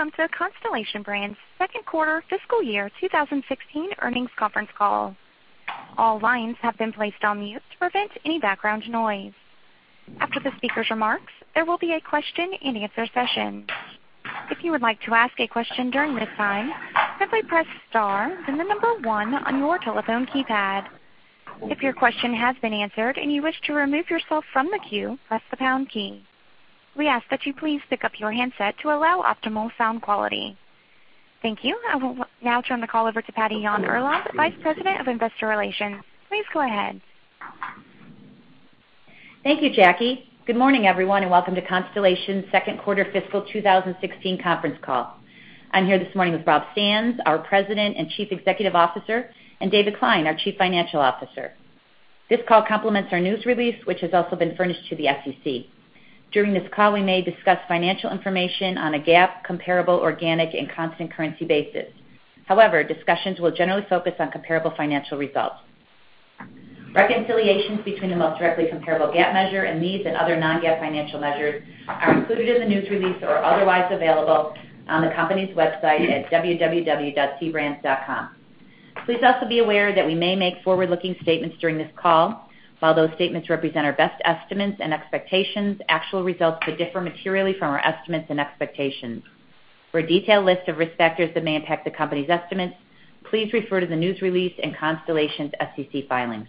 Welcome to Constellation Brands' second quarter fiscal year 2016 earnings conference call. All lines have been placed on mute to prevent any background noise. After the speaker's remarks, there will be a question-and-answer session. If you would like to ask a question during this time, simply press star, then the number 1 on your telephone keypad. If your question has been answered and you wish to remove yourself from the queue, press the pound key. We ask that you please pick up your handset to allow optimal sound quality. Thank you. I will now turn the call over to Patty Yahn-Urlaub, Vice President of Investor Relations. Please go ahead. Thank you, Jackie. Good morning, everyone, and welcome to Constellation's second quarter fiscal 2016 conference call. I'm here this morning with Rob Sands, our President and Chief Executive Officer, and David Klein, our Chief Financial Officer. This call complements our news release, which has also been furnished to the SEC. During this call, we may discuss financial information on a GAAP, comparable, organic, and constant currency basis. However, discussions will generally focus on comparable financial results. Reconciliations between the most directly comparable GAAP measure and these and other non-GAAP financial measures are included in the news release or are otherwise available on the company's website at www.cbrands.com. Please also be aware that we may make forward-looking statements during this call. While those statements represent our best estimates and expectations, actual results could differ materially from our estimates and expectations. For a detailed list of risk factors that may impact the company's estimates, please refer to the news release and Constellation's SEC filings.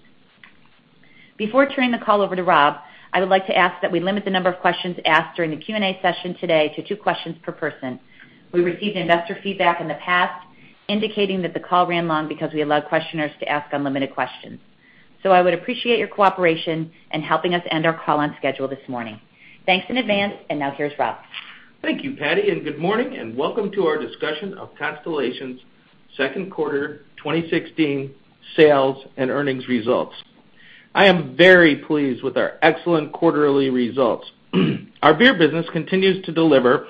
Before turning the call over to Rob, I would like to ask that we limit the number of questions asked during the Q&A session today to two questions per person. We received investor feedback in the past indicating that the call ran long because we allowed questioners to ask unlimited questions. I would appreciate your cooperation in helping us end our call on schedule this morning. Thanks in advance, and now here's Rob. Thank you, Patty, and good morning, and welcome to our discussion of Constellation's second quarter 2016 sales and earnings results. I am very pleased with our excellent quarterly results. Our beer business continues to deliver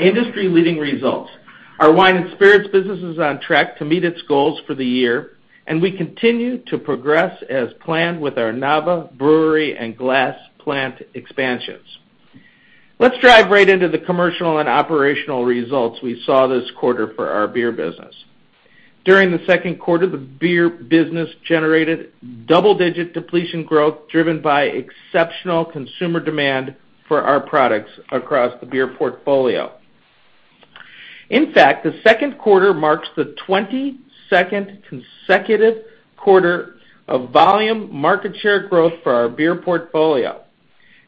industry-leading results. Our wine and spirits business is on track to meet its goals for the year, and we continue to progress as planned with our Nava Brewery and glass plant expansions. Let's dive right into the commercial and operational results we saw this quarter for our beer business. During the second quarter, the beer business generated double-digit depletion growth, driven by exceptional consumer demand for our products across the beer portfolio. In fact, the second quarter marks the 22nd consecutive quarter of volume market share growth for our beer portfolio.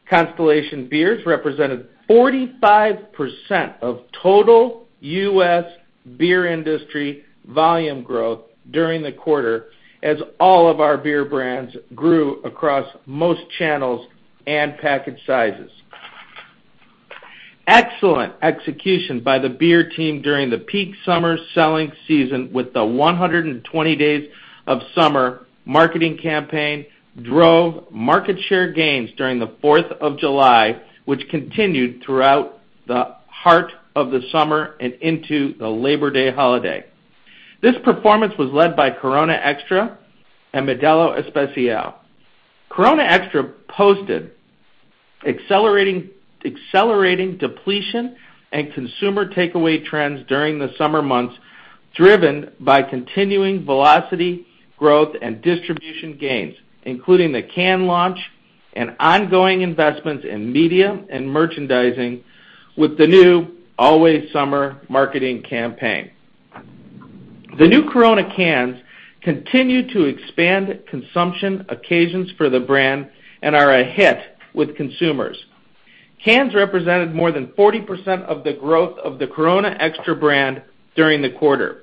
Constellation beers represented 45% of total U.S. beer industry volume growth during the quarter, as all of our beer brands grew across most channels and package sizes. Excellent execution by the beer team during the peak summer selling season with the 120 Days of Summer marketing campaign drove market share gains during the Fourth of July, which continued throughout the heart of the summer and into the Labor Day holiday. This performance was led by Corona Extra and Modelo Especial. Corona Extra posted accelerating depletion and consumer takeaway trends during the summer months, driven by continuing velocity growth and distribution gains, including the can launch and ongoing investments in media and merchandising with the new Always Summer marketing campaign. The new Corona cans continue to expand consumption occasions for the brand and are a hit with consumers. Cans represented more than 40% of the growth of the Corona Extra brand during the quarter.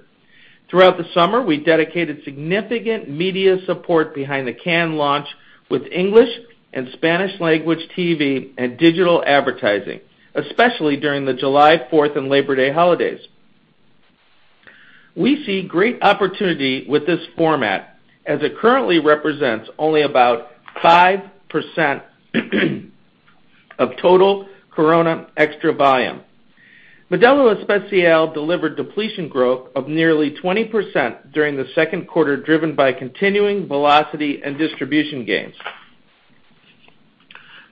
Throughout the summer, we dedicated significant media support behind the can launch with English and Spanish language TV and digital advertising, especially during the July 4th and Labor Day holidays. We see great opportunity with this format, as it currently represents only about 5% of total Corona Extra volume. Modelo Especial delivered depletion growth of nearly 20% during the second quarter, driven by continuing velocity and distribution gains.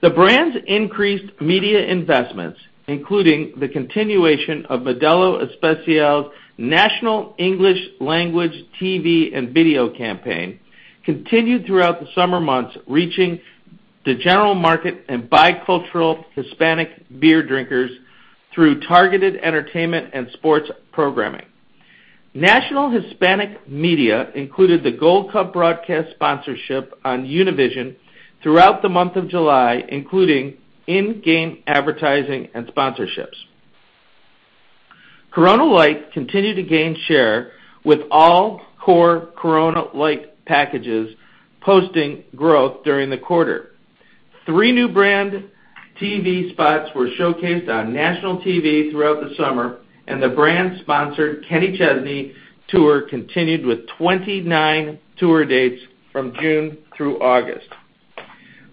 The brand's increased media investments, including the continuation of Modelo Especial's national English language TV and video campaign, continued throughout the summer months, reaching the general market and bicultural Hispanic beer drinkers through targeted entertainment and sports programming. National Hispanic media included the Gold Cup broadcast sponsorship on Univision throughout the month of July, including in-game advertising and sponsorships. Corona Light continued to gain share with all core Corona Light packages posting growth during the quarter. Three new brand TV spots were showcased on national TV throughout the summer, and the brand-sponsored Kenny Chesney tour continued with 29 tour dates from June through August.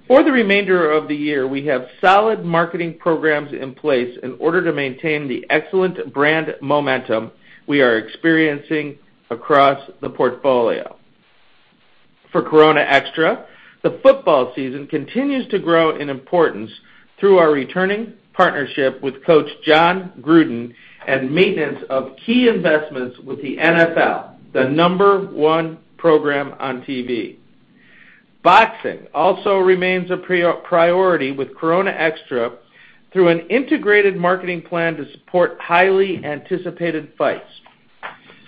For the remainder of the year, we have solid marketing programs in place in order to maintain the excellent brand momentum we are experiencing across the portfolio. For Corona Extra, the football season continues to grow in importance through our returning partnership with Coach Jon Gruden and maintenance of key investments with the NFL, the number one program on TV. Boxing also remains a priority with Corona Extra through an integrated marketing plan to support highly anticipated fights.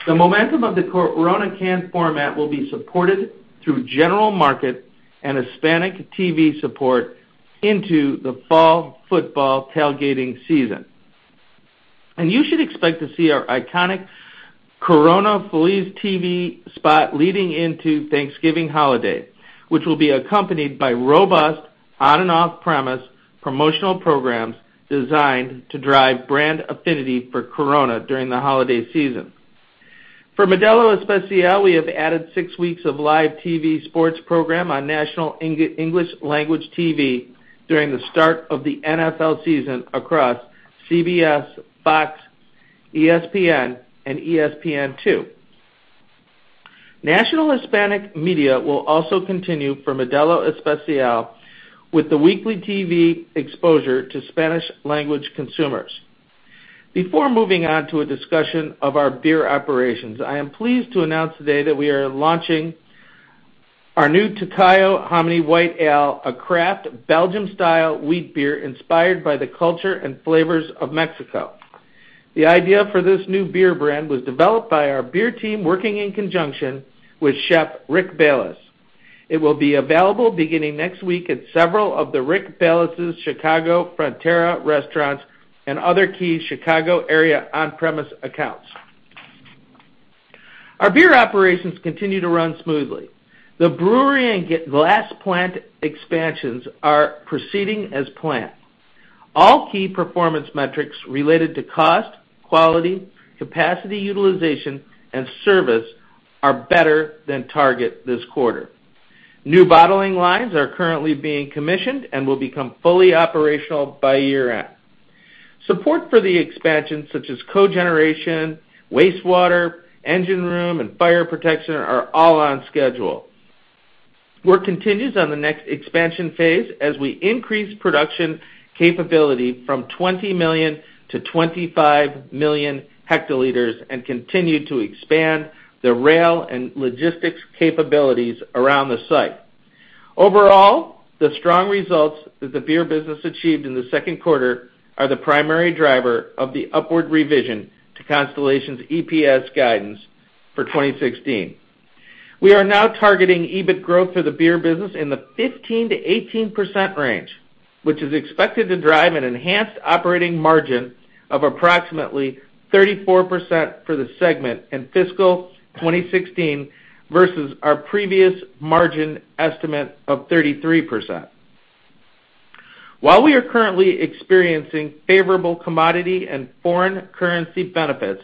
The momentum of the Corona canned format will be supported through general market and Hispanic TV support into the fall football tailgating season. You should expect to see our iconic Corona Feliz TV spot leading into Thanksgiving holiday, which will be accompanied by robust on and off-premise promotional programs designed to drive brand affinity for Corona during the holiday season. For Modelo Especial, we have added six weeks of live TV sports program on national English language TV during the start of the NFL season across CBS, Fox, ESPN, and ESPN2. National Hispanic media will also continue for Modelo Especial with the weekly TV exposure to Spanish language consumers. Before moving on to a discussion of our beer operations, I am pleased to announce today that we are launching our new Tocayo Hominy White Ale, a craft Belgian-style wheat beer inspired by the culture and flavors of Mexico. The idea for this new beer brand was developed by our beer team working in conjunction with Chef Rick Bayless. It will be available beginning next week at several of Rick Bayless' Chicago Frontera restaurants and other key Chicago area on-premise accounts. Our beer operations continue to run smoothly. The brewery and glass plant expansions are proceeding as planned. All key performance metrics related to cost, quality, capacity utilization, and service are better than target this quarter. New bottling lines are currently being commissioned and will become fully operational by year-end. Support for the expansion, such as cogeneration, wastewater, engine room, and fire protection are all on schedule. Work continues on the next expansion phase as we increase production capability from 20 million to 25 million hectoliters and continue to expand the rail and logistics capabilities around the site. Overall, the strong results that the beer business achieved in the second quarter are the primary driver of the upward revision to Constellation's EPS guidance for 2016. We are now targeting EBIT growth for the beer business in the 15%-18% range, which is expected to drive an enhanced operating margin of approximately 34% for the segment in fiscal 2016 versus our previous margin estimate of 33%. While we are currently experiencing favorable commodity and foreign currency benefits,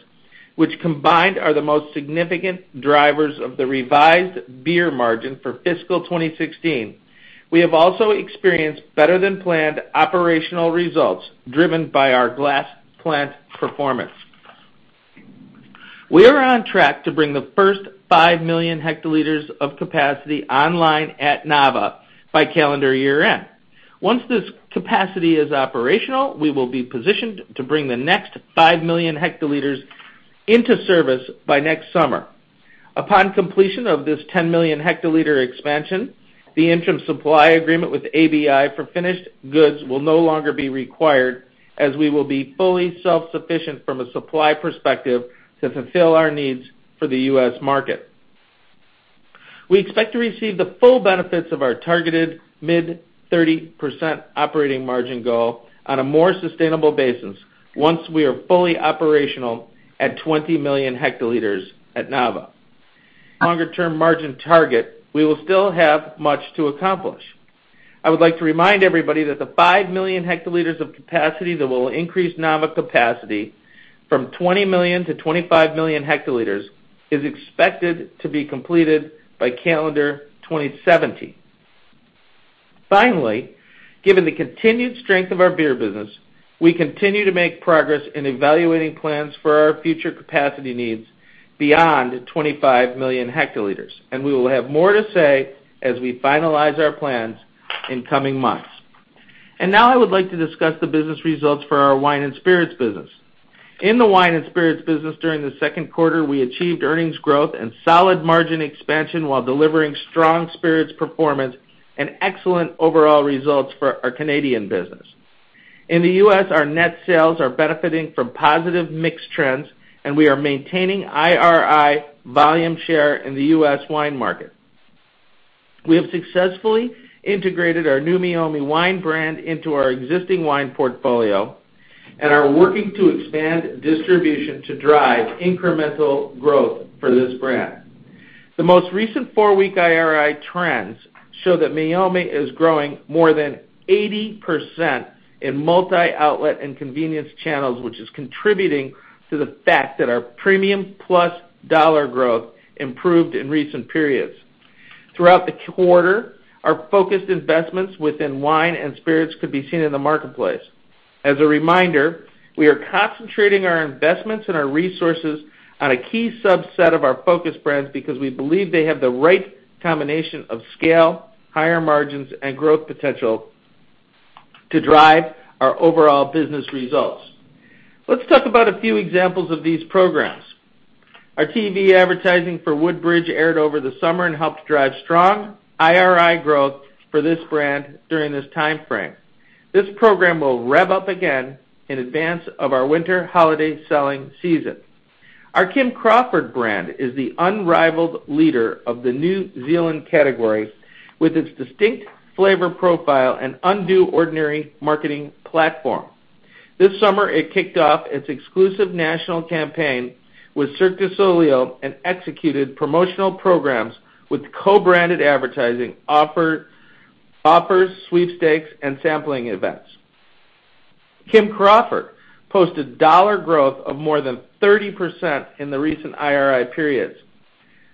which combined are the most significant drivers of the revised beer margin for fiscal 2016, we have also experienced better-than-planned operational results driven by our glass plant performance. We are on track to bring the first 5 million hectoliters of capacity online at Nava by calendar year-end. Once this capacity is operational, we will be positioned to bring the next 5 million hectoliters into service by next summer. Upon completion of this 10 million hectoliter expansion, the interim supply agreement with ABI for finished goods will no longer be required, as we will be fully self-sufficient from a supply perspective to fulfill our needs for the U.S. market. We expect to receive the full benefits of our targeted mid-30% operating margin goal on a more sustainable basis once we are fully operational at 20 million hectoliters at Nava. Longer-term margin target, we will still have much to accomplish. I would like to remind everybody that the 5 million hectoliters of capacity that will increase Nava capacity from 20 million to 25 million hectoliters is expected to be completed by calendar 2017. Finally, given the continued strength of our beer business, we continue to make progress in evaluating plans for our future capacity needs beyond 25 million hectoliters, and we will have more to say as we finalize our plans in coming months. Now I would like to discuss the business results for our wine and spirits business. In the wine and spirits business during the second quarter, we achieved earnings growth and solid margin expansion while delivering strong spirits performance and excellent overall results for our Canadian business. In the U.S., our net sales are benefiting from positive mix trends, and we are maintaining IRI volume share in the U.S. wine market. We have successfully integrated our new Meiomi wine brand into our existing wine portfolio and are working to expand distribution to drive incremental growth for this brand. The most recent four-week IRI trends show that Meiomi is growing more than 80% in multi-outlet and convenience channels, which is contributing to the fact that our premium plus dollar growth improved in recent periods. Throughout the quarter, our focused investments within wine and spirits could be seen in the marketplace. As a reminder, we are concentrating our investments and our resources on a key subset of our focus brands because we believe they have the right combination of scale, higher margins, and growth potential to drive our overall business results. Let's talk about a few examples of these programs. Our TV advertising for Woodbridge aired over the summer and helped drive strong IRI growth for this brand during this timeframe. This program will rev up again in advance of our winter holiday selling season. Our Kim Crawford brand is the unrivaled leader of the New Zealand category, with its distinct flavor profile and Undo Ordinary marketing platform. This summer, it kicked off its exclusive national campaign with Cirque du Soleil and executed promotional programs with co-branded advertising offers, sweepstakes, and sampling events. Kim Crawford posted dollar growth of more than 30% in the recent IRI periods.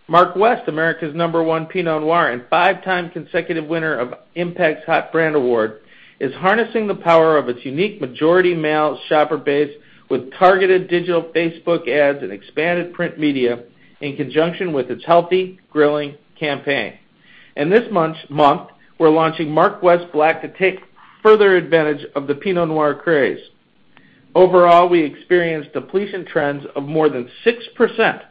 Mark West, America's number one Pinot Noir and five-time consecutive winner of Impact's Hot Brand Award, is harnessing the power of its unique majority male shopper base with targeted digital Facebook ads and expanded print media in conjunction with its healthy grilling campaign. This month, we're launching Mark West Black to take further advantage of the Pinot Noir craze. Overall, we experienced depletion trends of more than 6%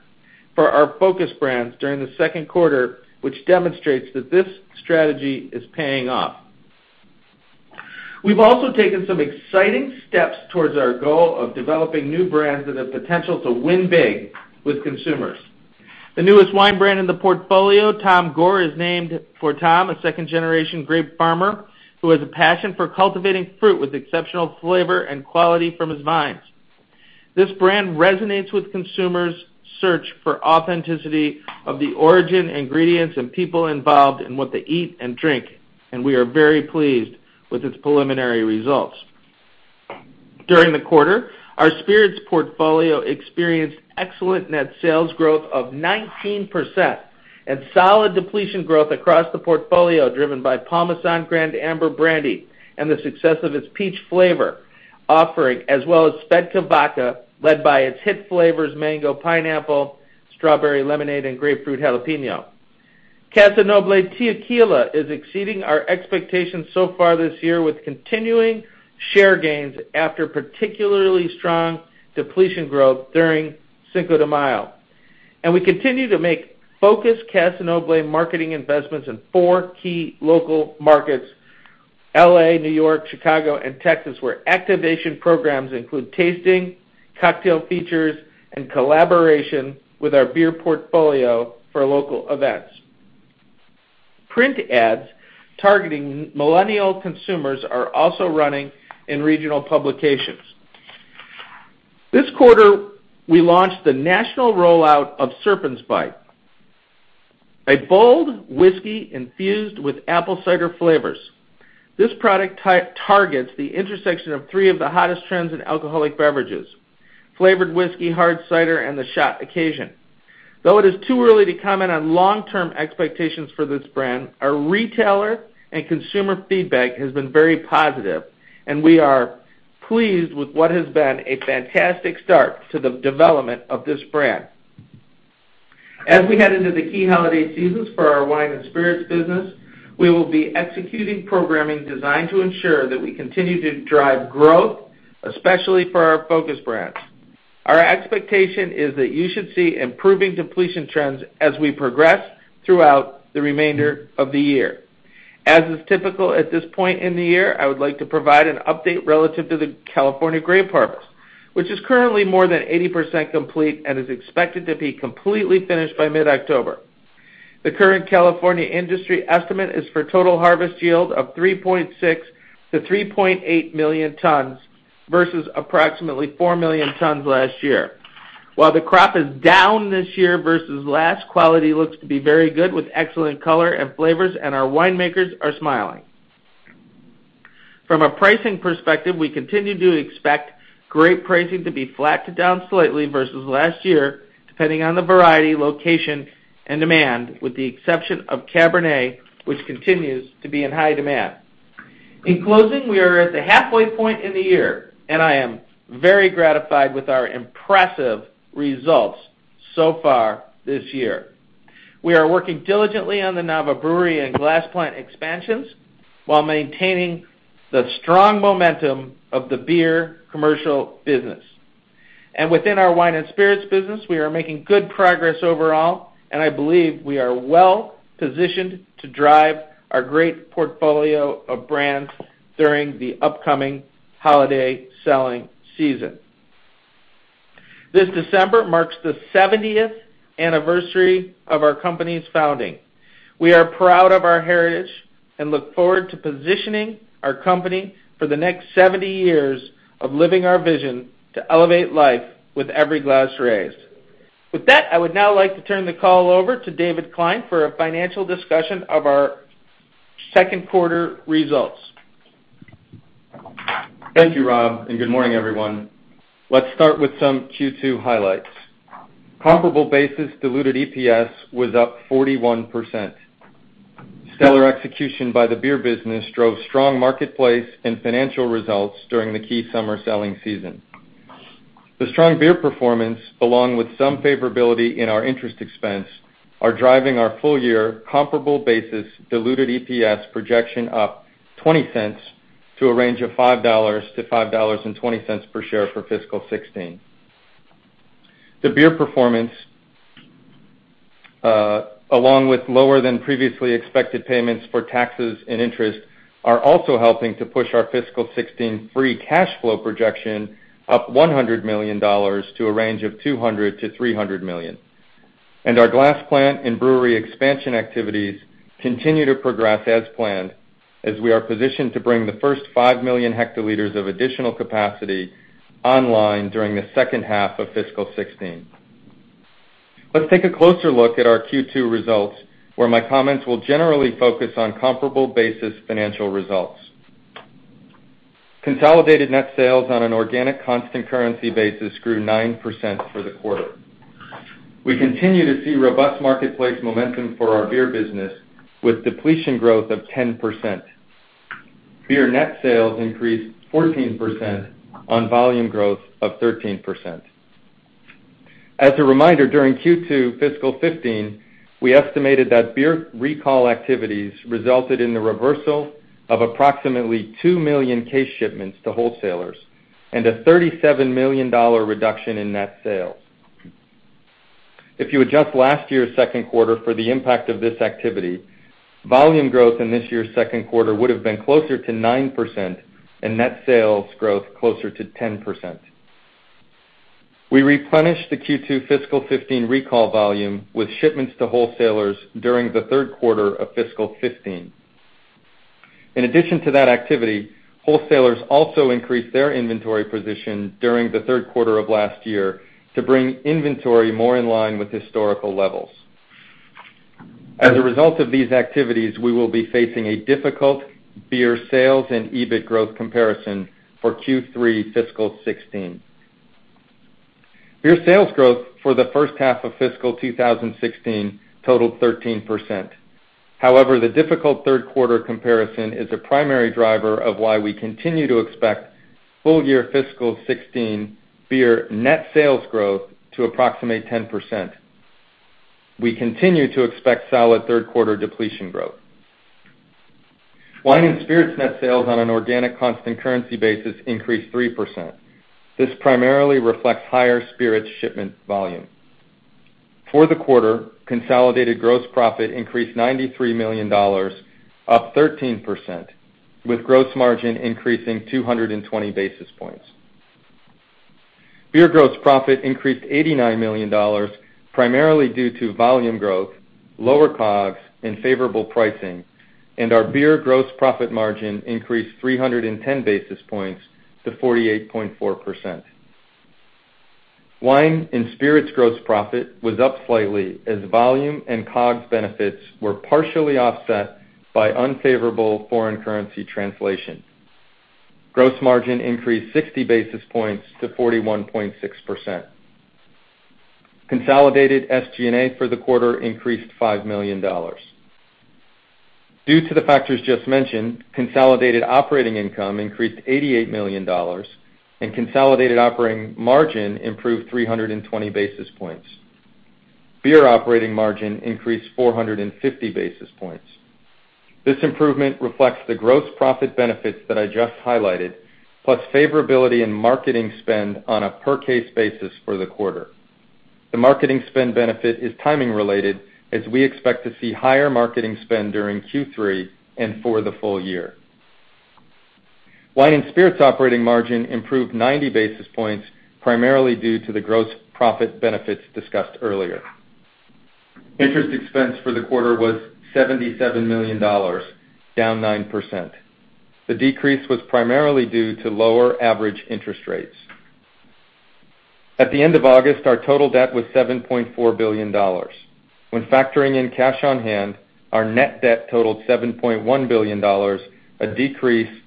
for our focus brands during the second quarter, which demonstrates that this strategy is paying off. We've also taken some exciting steps towards our goal of developing new brands that have potential to win big with consumers. The newest wine brand in the portfolio, Tom Gore, is named for Tom, a second-generation grape farmer who has a passion for cultivating fruit with exceptional flavor and quality from his vines. This brand resonates with consumers' search for authenticity of the origin, ingredients, and people involved in what they eat and drink, and we are very pleased with its preliminary results. During the quarter, our spirits portfolio experienced excellent net sales growth of 19% and solid depletion growth across the portfolio, driven by Paul Masson Grande Amber Brandy and the success of its peach flavor offering, as well as SVEDKA Vodka, led by its hit flavors mango, pineapple, strawberry lemonade, and grapefruit jalapeno. Casa Noble Tequila is exceeding our expectations so far this year with continuing share gains after particularly strong depletion growth during Cinco de Mayo. We continue to make focused Casa Noble marketing investments in four key local markets, L.A., New York, Chicago, and Texas, where activation programs include tasting, cocktail features, and collaboration with our beer portfolio for local events. Print ads targeting millennial consumers are also running in regional publications. This quarter, we launched the national rollout of Serpent's Bite, a bold whiskey infused with apple cider flavors. This product targets the intersection of three of the hottest trends in alcoholic beverages, flavored whiskey, hard cider, and the shot occasion. Though it is too early to comment on long-term expectations for this brand, our retailer and consumer feedback has been very positive, and we are pleased with what has been a fantastic start to the development of this brand. As we head into the key holiday seasons for our wine and spirits business, we will be executing programming designed to ensure that we continue to drive growth, especially for our focus brands. Our expectation is that you should see improving depletion trends as we progress throughout the remainder of the year. As is typical at this point in the year, I would like to provide an update relative to the California grape harvest, which is currently more than 80% complete and is expected to be completely finished by mid-October. The current California industry estimate is for total harvest yield of 3.6-3.8 million tons versus approximately 4 million tons last year. While the crop is down this year versus last, quality looks to be very good with excellent color and flavors, and our winemakers are smiling. From a pricing perspective, we continue to expect grape pricing to be flat to down slightly versus last year depending on the variety, location, and demand, with the exception of Cabernet, which continues to be in high demand. In closing, we are at the halfway point in the year, and I am very gratified with our impressive results so far this year. We are working diligently on the Nava Brewery and glass plant expansions while maintaining the strong momentum of the beer commercial business. Within our wine and spirits business, we are making good progress overall, and I believe we are well positioned to drive our great portfolio of brands during the upcoming holiday selling season. This December marks the 70th anniversary of our company's founding. We are proud of our heritage and look forward to positioning our company for the next 70 years of living our vision to elevate life with every glass raised. With that, I would now like to turn the call over to David Klein for a financial discussion of our second quarter results. Thank you, Rob, and good morning, everyone. Let's start with some Q2 highlights. Comparable basis diluted EPS was up 41%. Stellar execution by the beer business drove strong marketplace and financial results during the key summer selling season. The strong beer performance, along with some favorability in our interest expense, are driving our full year comparable basis diluted EPS projection up $0.20 to a range of $5 to $5.20 per share for fiscal 2016. The beer performance, along with lower than previously expected payments for taxes and interest, are also helping to push our fiscal 2016 free cash flow projection up $100 million to a range of $200 million to $300 million. Our glass plant and brewery expansion activities continue to progress as planned, as we are positioned to bring the first 5 million hectoliters of additional capacity online during the second half of fiscal 2016. Let's take a closer look at our Q2 results, where my comments will generally focus on comparable basis financial results. Consolidated net sales on an organic constant currency basis grew 9% for the quarter. We continue to see robust marketplace momentum for our beer business with depletion growth of 10%. Beer net sales increased 14% on volume growth of 13%. As a reminder, during Q2 fiscal 2015, we estimated that beer recall activities resulted in the reversal of approximately 2 million case shipments to wholesalers and a $37 million reduction in net sales. If you adjust last year's second quarter for the impact of this activity, volume growth in this year's second quarter would've been closer to 9%, and net sales growth closer to 10%. We replenished the Q2 fiscal 2015 recall volume with shipments to wholesalers during the third quarter of fiscal 2015. In addition to that activity, wholesalers also increased their inventory position during the third quarter of last year to bring inventory more in line with historical levels. As a result of these activities, we will be facing a difficult beer sales and EBIT growth comparison for Q3 fiscal 2016. Beer sales growth for the first half of fiscal 2016 totaled 13%. However, the difficult third quarter comparison is a primary driver of why we continue to expect full year fiscal 2016 beer net sales growth to approximate 10%. We continue to expect solid third quarter depletion growth. Wine and spirits net sales on an organic constant currency basis increased 3%. This primarily reflects higher spirits shipment volume. For the quarter, consolidated gross profit increased $93 million, up 13%, with gross margin increasing 220 basis points. Beer gross profit increased $89 million, primarily due to volume growth, lower COGS, and favorable pricing, and our beer gross profit margin increased 310 basis points to 48.4%. Wine and spirits gross profit was up slightly as volume and COGS benefits were partially offset by unfavorable foreign currency translation. Gross margin increased 60 basis points to 41.6%. Consolidated SG&A for the quarter increased $5 million. Due to the factors just mentioned, consolidated operating income increased $88 million, and consolidated operating margin improved 320 basis points. Beer operating margin increased 450 basis points. This improvement reflects the gross profit benefits that I just highlighted, plus favorability in marketing spend on a per case basis for the quarter. The marketing spend benefit is timing related, as we expect to see higher marketing spend during Q3 and for the full year. Wine and spirits operating margin improved 90 basis points, primarily due to the gross profit benefits discussed earlier. Interest expense for the quarter was $77 million, down 9%. The decrease was primarily due to lower average interest rates. At the end of August, our total debt was $7.4 billion. When factoring in cash on hand, our net debt totaled $7.1 billion, a decrease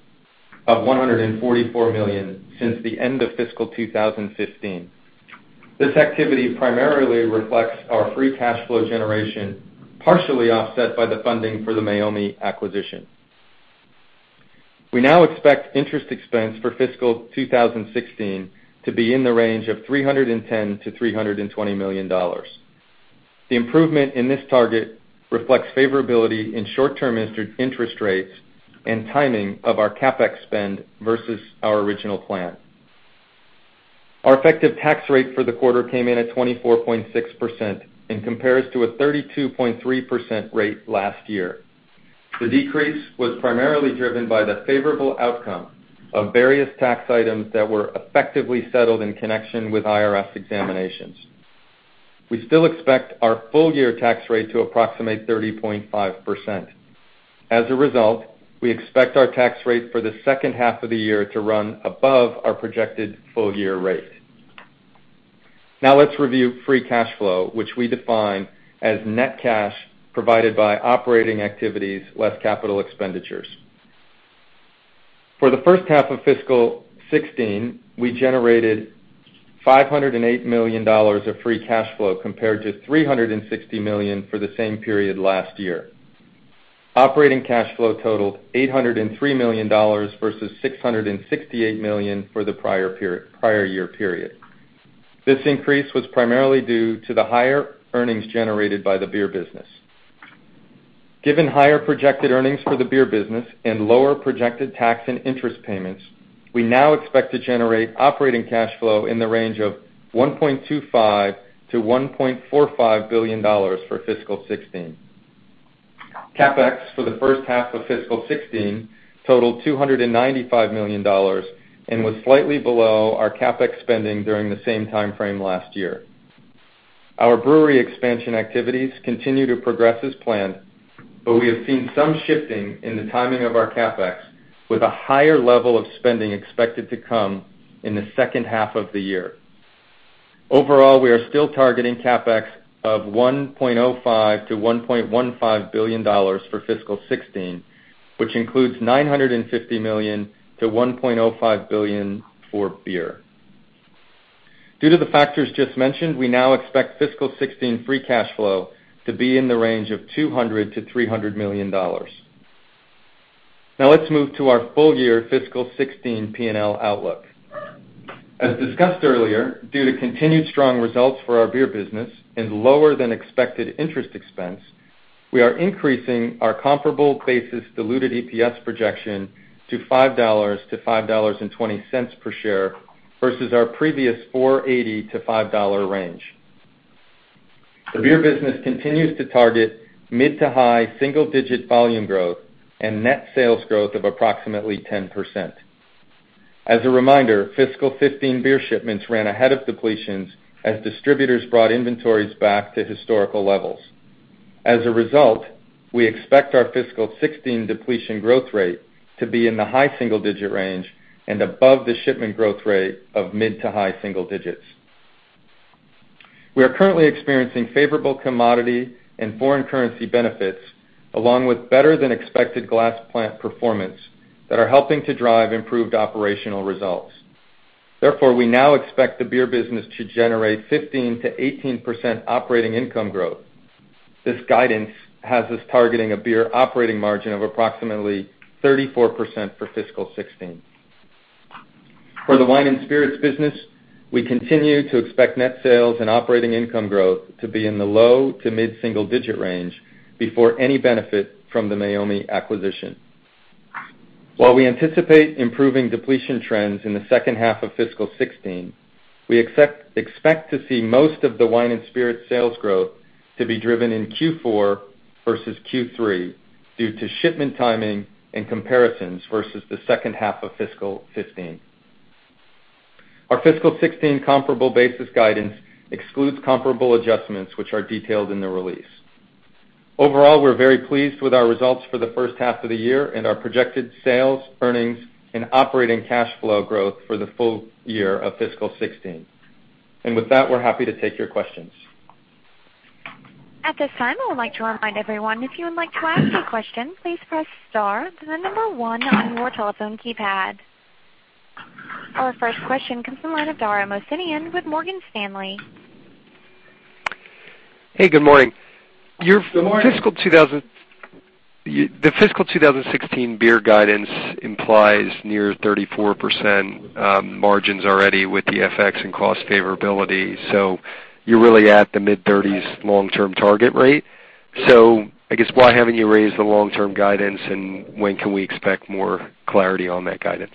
of $144 million since the end of fiscal 2015. This activity primarily reflects our free cash flow generation, partially offset by the funding for the Meiomi acquisition. We now expect interest expense for fiscal 2016 to be in the range of $310 million-$320 million. The improvement in this target reflects favorability in short-term interest rates and timing of our CapEx spend versus our original plan. Our effective tax rate for the quarter came in at 24.6% and compares to a 32.3% rate last year. The decrease was primarily driven by the favorable outcome of various tax items that were effectively settled in connection with IRS examinations. We still expect our full year tax rate to approximate 30.5%. As a result, we expect our tax rate for the second half of the year to run above our projected full year rate. Now let's review free cash flow, which we define as net cash provided by operating activities less capital expenditures. For the first half of fiscal 2016, we generated $508 million of free cash flow compared to $360 million for the same period last year. Operating cash flow totaled $803 million versus $668 million for the prior year period. This increase was primarily due to the higher earnings generated by the beer business. Given higher projected earnings for the beer business and lower projected tax and interest payments, we now expect to generate operating cash flow in the range of $1.25 billion-$1.45 billion for fiscal 2016. CapEx for the first half of fiscal 2016 totaled $295 million and was slightly below our CapEx spending during the same timeframe last year. Our brewery expansion activities continue to progress as planned, but we have seen some shifting in the timing of our CapEx, with a higher level of spending expected to come in the second half of the year. Overall, we are still targeting CapEx of $1.05 billion-$1.15 billion for fiscal 2016, which includes $950 million-$1.05 billion for beer. Due to the factors just mentioned, we now expect fiscal 2016 free cash flow to be in the range of $200 million-$300 million. Now let's move to our full year fiscal 2016 P&L outlook. As discussed earlier, due to continued strong results for our beer business and lower than expected interest expense, we are increasing our comparable basis diluted EPS projection to $5-$5.20 per share versus our previous $4.80-$5 range. The beer business continues to target mid to high single digit volume growth and net sales growth of approximately 10%. As a reminder, fiscal 2015 beer shipments ran ahead of depletions as distributors brought inventories back to historical levels. As a result, we expect our fiscal 2016 depletion growth rate to be in the high single digit range and above the shipment growth rate of mid to high single digits. We are currently experiencing favorable commodity and foreign currency benefits, along with better than expected glass plant performance that are helping to drive improved operational results. We now expect the beer business to generate 15%-18% operating income growth. This guidance has us targeting a beer operating margin of approximately 34% for fiscal 2016. For the wine and spirits business, we continue to expect net sales and operating income growth to be in the low to mid single digit range before any benefit from the Meiomi acquisition. While we anticipate improving depletion trends in the second half of fiscal 2016, we expect to see most of the wine and spirit sales growth to be driven in Q4 versus Q3 due to shipment timing and comparisons versus the second half of fiscal 2015. Our fiscal 2016 comparable basis guidance excludes comparable adjustments, which are detailed in the release. Overall, we're very pleased with our results for the first half of the year and our projected sales, earnings, and operating cash flow growth for the full year of fiscal 2016. With that, we're happy to take your questions. At this time, I would like to remind everyone, if you would like to ask a question, please press star, then the number 1 on your telephone keypad. Our first question comes from the line of Dara with Morgan Stanley. Hey, good morning. Good morning. The fiscal 2016 beer guidance implies near 34% margins already with the FX and cost favorability. You're really at the mid-30s long-term target rate. I guess, why haven't you raised the long-term guidance, and when can we expect more clarity on that guidance?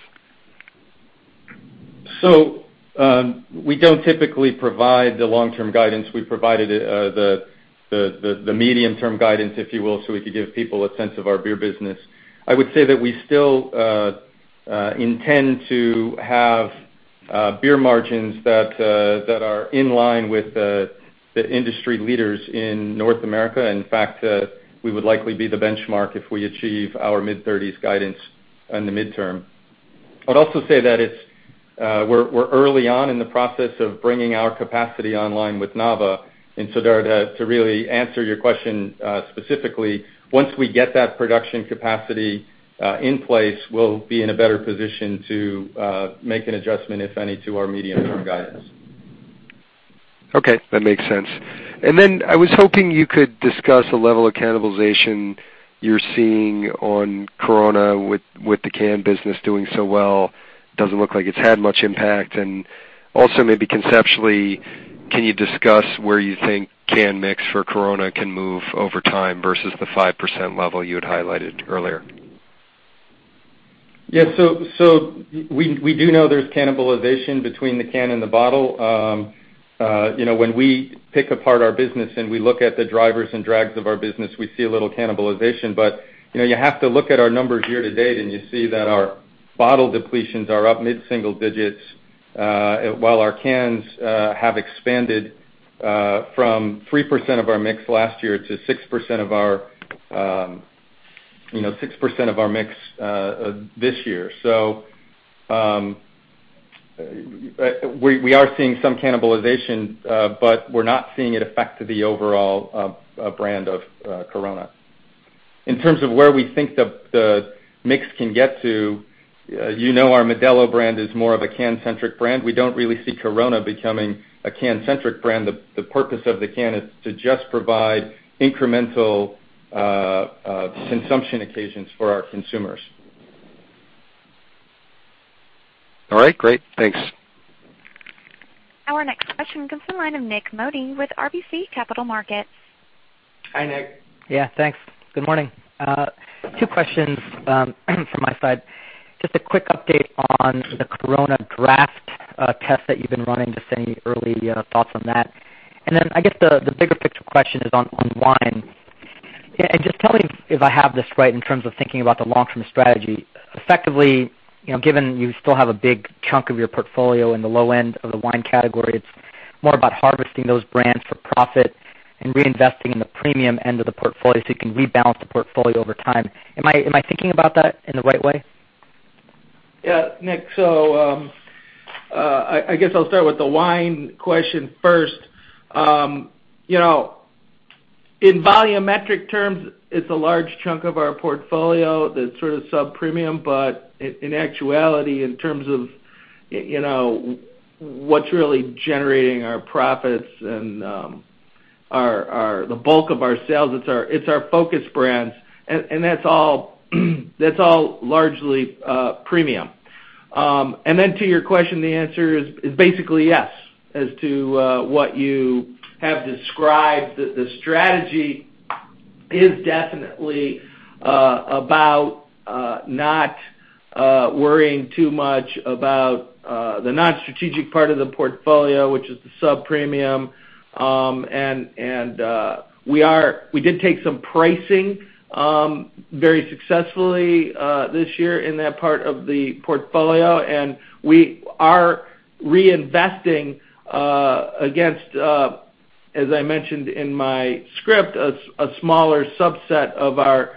We don't typically provide the long-term guidance. We provided the medium-term guidance, if you will, so we could give people a sense of our beer business. I would say that we still intend to have beer margins that are in line with the industry leaders in North America. In fact, we would likely be the benchmark if we achieve our mid-30s guidance on the midterm. I'd also say that we're early on in the process of bringing our capacity online with Nava. Dara, to really answer your question specifically, once we get that production capacity in place, we'll be in a better position to make an adjustment, if any, to our medium-term guidance. Okay. That makes sense. I was hoping you could discuss the level of cannibalization you're seeing on Corona with the can business doing so well. Doesn't look like it's had much impact, and also maybe conceptually, can you discuss where you think can mix for Corona can move over time versus the 5% level you had highlighted earlier? Yeah. We do know there's cannibalization between the can and the bottle. When we pick apart our business and we look at the drivers and drags of our business, we see a little cannibalization. You have to look at our numbers year to date, and you see that our bottle depletions are up mid-single digits, while our cans have expanded, from 3% of our mix last year to 6% of our mix this year. We are seeing some cannibalization, but we're not seeing it affect the overall brand of Corona. In terms of where we think the mix can get to, you know our Modelo brand is more of a can-centric brand. We don't really see Corona becoming a can-centric brand. The purpose of the can is to just provide incremental consumption occasions for our consumers. All right, great. Thanks. Our next question comes from the line of Nik Modi with RBC Capital Markets. Hi, Nik. Yeah, thanks. Good morning. Two questions from my side. Just a quick update on the Corona draft test that you've been running, just any early thoughts on that. Then, I guess, the bigger picture question is on wine. Just tell me if I have this right in terms of thinking about the long-term strategy. Effectively, given you still have a big chunk of your portfolio in the low end of the wine category, it's more about harvesting those brands for profit and reinvesting in the premium end of the portfolio so you can rebalance the portfolio over time. Am I thinking about that in the right way? Nik, I guess I'll start with the wine question first. In volumetric terms, it's a large chunk of our portfolio that's sort of sub-premium, but in actuality, in terms of what's really generating our profits and the bulk of our sales, it's our focused brands, and that's all largely premium. To your question, the answer is basically yes. As to what you have described, the strategy is definitely about not worrying too much about the non-strategic part of the portfolio, which is the sub-premium. We did take some pricing very successfully this year in that part of the portfolio, and we are reinvesting against, as I mentioned in my script, a smaller subset of our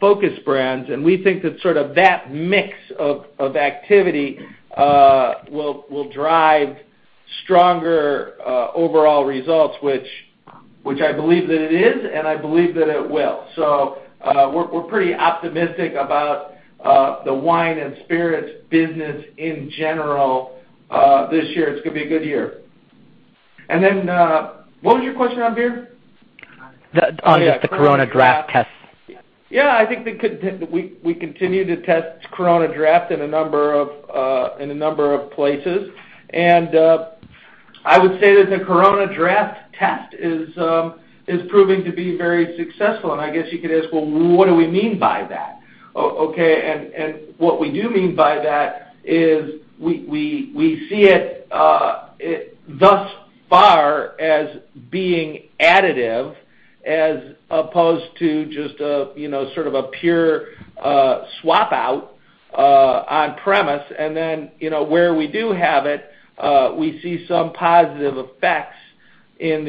focus brands. We think that sort of that mix of activity will drive stronger overall results, which I believe that it is, and I believe that it will. We're pretty optimistic about the wine and spirits business in general this year. It's going to be a good year. What was your question on beer? On the Corona draft test. I think we continue to test Corona draft in a number of places. I would say that the Corona draft test is proving to be very successful, and I guess you could ask, well, what do we mean by that? What we do mean by that is we see it thus far as being additive, as opposed to just sort of a pure swap out on premise. Where we do have it, we see some positive effects in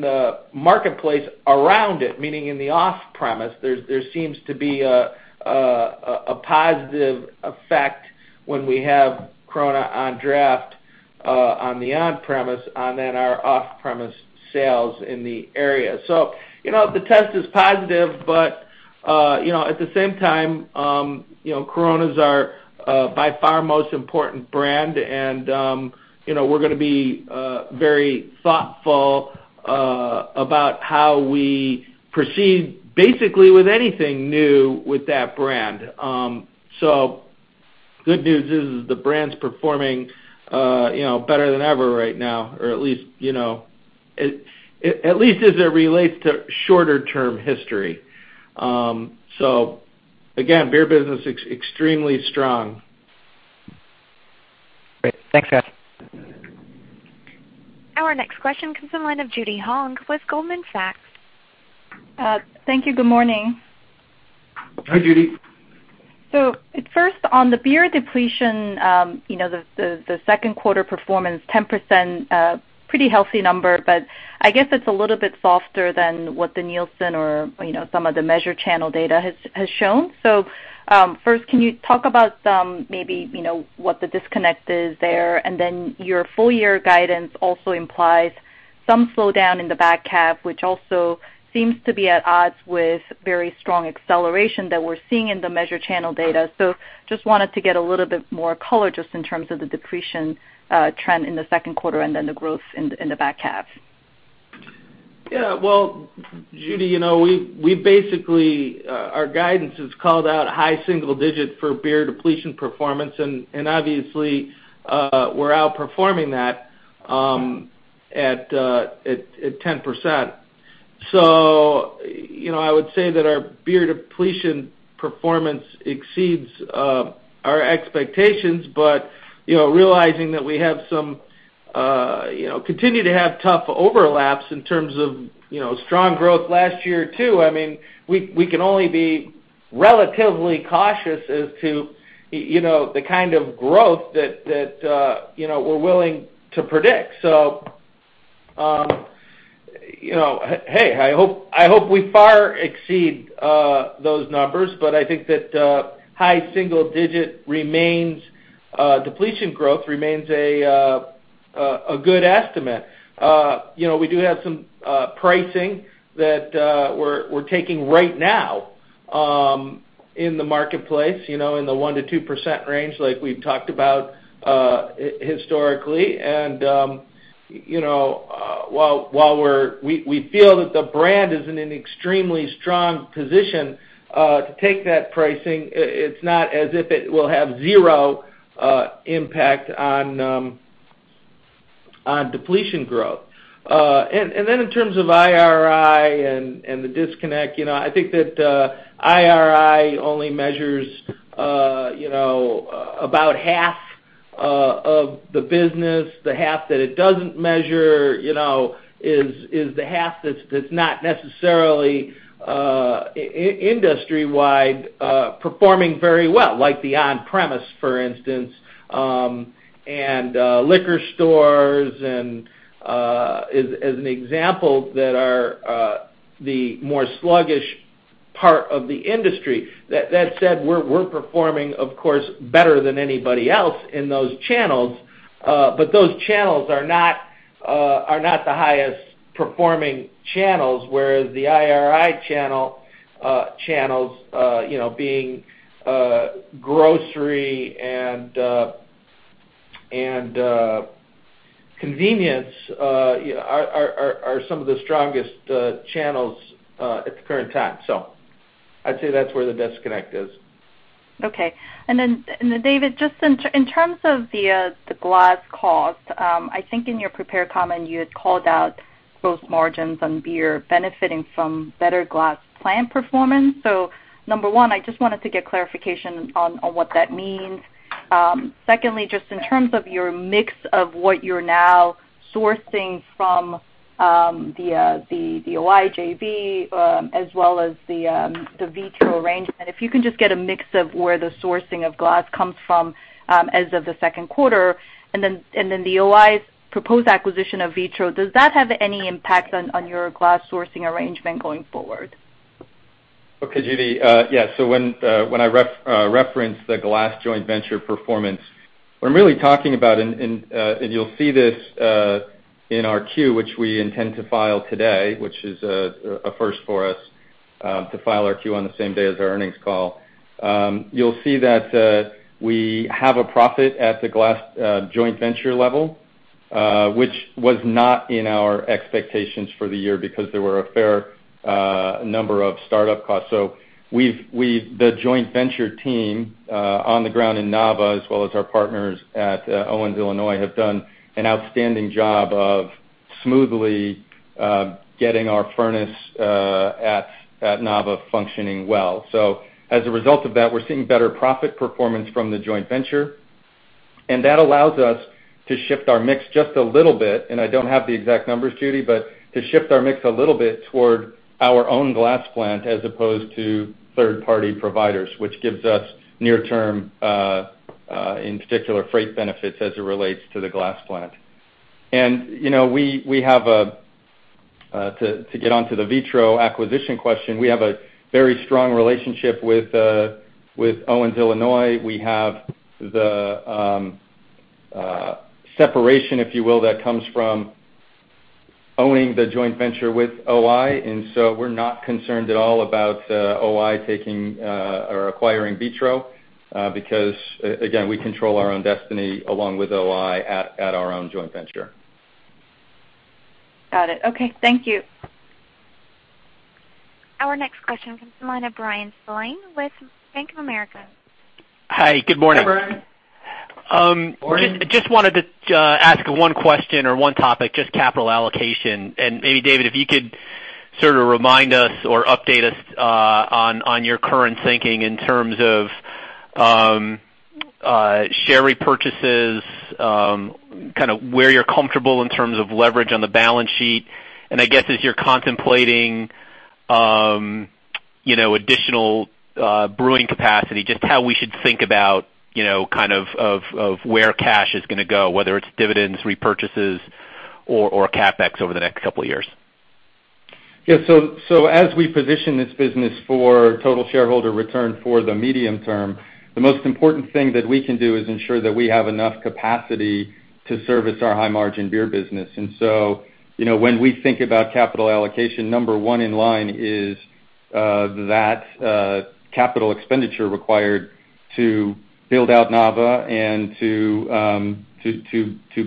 the marketplace around it, meaning in the off premise. There seems to be a positive effect when we have Corona on draft on the on premise and then our off premise sales in the area. The test is positive, at the same time Corona's our, by far, most important brand, we're going to be very thoughtful about how we proceed, basically with anything new with that brand. The good news is the brand's performing better than ever right now, or at least as it relates to shorter-term history. Again, beer business extremely strong. Great. Thanks, guys. Our next question comes from the line of Judy Hong with Goldman Sachs. Thank you. Good morning. Hi, Judy. First, on the beer depletion, the second quarter performance, 10%, a pretty healthy number, but I guess it's a little bit softer than what the Nielsen or some of the measured channel data has shown. First, can you talk about maybe what the disconnect is there? Your full year guidance also implies some slowdown in the back half, which also seems to be at odds with very strong acceleration that we're seeing in the measured channel data. Just wanted to get a little bit more color just in terms of the depletion trend in the second quarter and then the growth in the back half. Yeah. Well, Judy, basically our guidance has called out high single-digit for beer depletion performance, and obviously, we're outperforming that at 10%. I would say that our beer depletion performance exceeds our expectations, but realizing that we continue to have tough overlaps in terms of strong growth last year, too. We can only be relatively cautious as to the kind of growth that we're willing to predict. Hey, I hope we far exceed those numbers, but I think that high single-digit depletion growth remains a good estimate. We do have some pricing that we're taking right now in the marketplace, in the 1%-2% range like we've talked about historically. While we feel that the brand is in an extremely strong position to take that pricing, it's not as if it will have zero impact on depletion growth. Then in terms of IRI and the disconnect, I think that IRI only measures about half of the business. The half that it doesn't measure is the half that's not necessarily industry-wide performing very well, like the on-premise, for instance, and liquor stores as an example, that are the more sluggish part of the industry. That said, we're performing, of course, better than anybody else in those channels, but those channels are not the highest performing channels. Whereas the IRI channels, being grocery and convenience, are some of the strongest channels at the current time. I'd say that's where the disconnect is. David, just in terms of the glass cost, I think in your prepared comment, you had called out gross margins on beer benefiting from better glass plant performance. Number one, I just wanted to get clarification on what that means. Secondly, just in terms of your mix of what you're now sourcing from the O-I JV as well as the Vitro arrangement, if you can just get a mix of where the sourcing of glass comes from as of the second quarter, then the O-I's proposed acquisition of Vitro, does that have any impact on your glass sourcing arrangement going forward? Okay, Judy. Yeah. When I referenced the glass joint venture performance, what I'm really talking about, and you'll see this in our Q, which we intend to file today, which is a first for us to file our Q on the same day as our earnings call. You'll see that we have a profit at the glass joint venture level, which was not in our expectations for the year because there were a fair number of startup costs. The joint venture team on the ground in Nava, as well as our partners at Owens-Illinois, have done an outstanding job of smoothly getting our furnace at Nava functioning well. As a result of that, we're seeing better profit performance from the joint venture. That allows us to shift our mix just a little bit. I don't have the exact numbers, Judy, but to shift our mix a little bit toward our own glass plant as opposed to third-party providers, which gives us near-term, in particular, freight benefits as it relates to the glass plant. To get onto the Vitro acquisition question, we have a very strong relationship with Owens-Illinois. We have the separation, if you will, that comes from owning the joint venture with O-I. We're not concerned at all about O-I taking or acquiring Vitro because, again, we control our own destiny along with O-I at our own joint venture. Got it. Okay. Thank you. Our next question comes from the line of Bryan Spillane with Bank of America. Hi, good morning. Hey, Bryan. Morning. Just wanted to ask one question or one topic, just capital allocation. Maybe, David, if you could sort of remind us or update us on your current thinking in terms of share repurchases, kind of where you're comfortable in terms of leverage on the balance sheet. I guess as you're contemplating additional brewing capacity, just how we should think about kind of where cash is going to go, whether it's dividends, repurchases, or CapEx over the next couple of years. As we position this business for total shareholder return for the medium term, the most important thing that we can do is ensure that we have enough capacity to service our high-margin beer business. When we think about capital allocation, number one in line is that capital expenditure required to build out Nava and to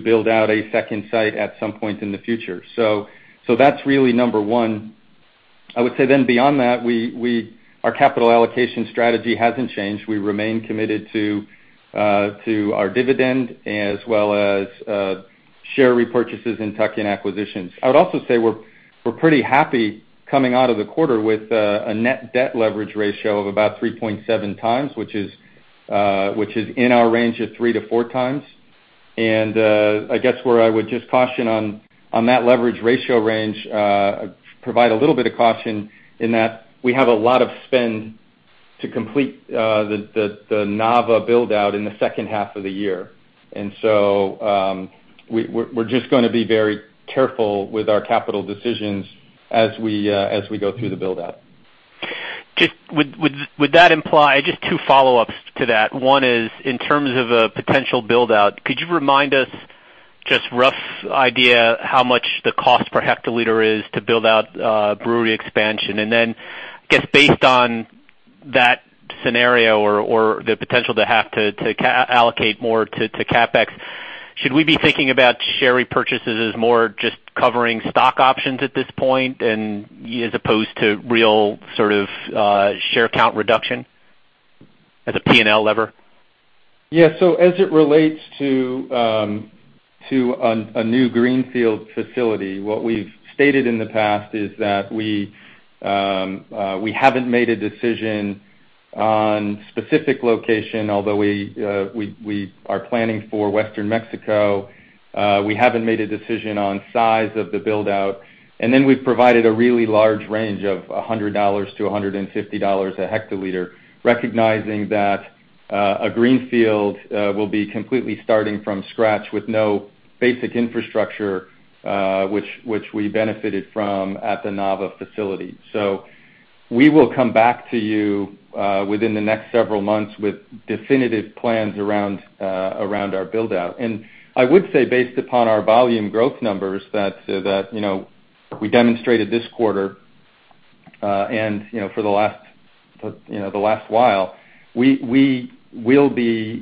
build out a second site at some point in the future. That's really number one. I would say beyond that, our capital allocation strategy hasn't changed. We remain committed to our dividend as well as share repurchases and tuck-in acquisitions. I would also say we're pretty happy coming out of the quarter with a net debt leverage ratio of about 3.7 times, which is in our range of 3-4 times. I guess where I would just caution on that leverage ratio range, provide a little bit of caution in that we have a lot of spend to complete the Nava build-out in the second half of the year. We're just going to be very careful with our capital decisions as we go through the build-out. Just two follow-ups to that. One is, in terms of a potential build-out, could you remind us, just rough idea, how much the cost per hectoliter is to build out brewery expansion? Then, I guess, based on that scenario or the potential to have to allocate more to CapEx, should we be thinking about share repurchases as more just covering stock options at this point and as opposed to real share count reduction as a P&L lever? As it relates to a new greenfield facility, what we've stated in the past is that we haven't made a decision on specific location, although we are planning for Western Mexico. We haven't made a decision on size of the build-out. Then we've provided a really large range of $100-$150 a hectoliter, recognizing that a greenfield will be completely starting from scratch with no basic infrastructure, which we benefited from at the Nava facility. We will come back to you within the next several months with definitive plans around our build-out. I would say, based upon our volume growth numbers that we demonstrated this quarter, and for the last while, we will be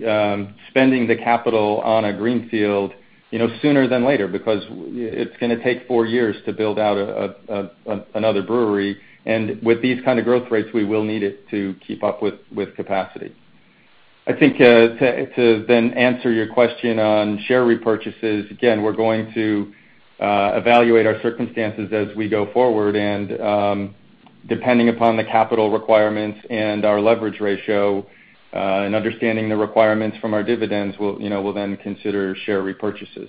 spending the capital on a greenfield sooner than later, because it's going to take four years to build out another brewery. With these kind of growth rates, we will need it to keep up with capacity. I think to answer your question on share repurchases, again, we are going to evaluate our circumstances as we go forward, and depending upon the capital requirements and our leverage ratio, and understanding the requirements from our dividends, we will then consider share repurchases.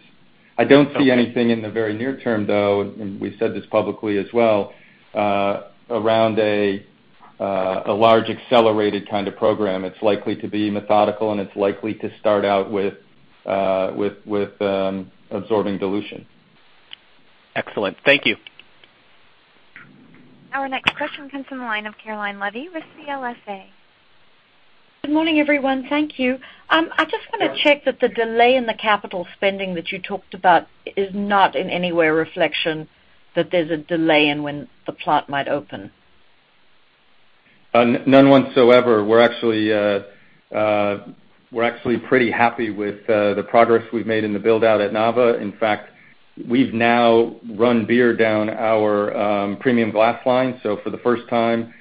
I do not see anything in the very near term, though, and we have said this publicly as well, around a large accelerated kind of program. It is likely to be methodical, and it is likely to start out with absorbing dilution. Excellent. Thank you. Our next question comes from the line of Caroline Levy with CLSA. Good morning, everyone. Thank you. I just want to check that the delay in the capital spending that you talked about is not in any way a reflection that there is a delay in when the plant might open. None whatsoever. We're actually pretty happy with the progress we've made in the build-out at Nava. In fact, we've now run beer down our premium glass line. For the first time,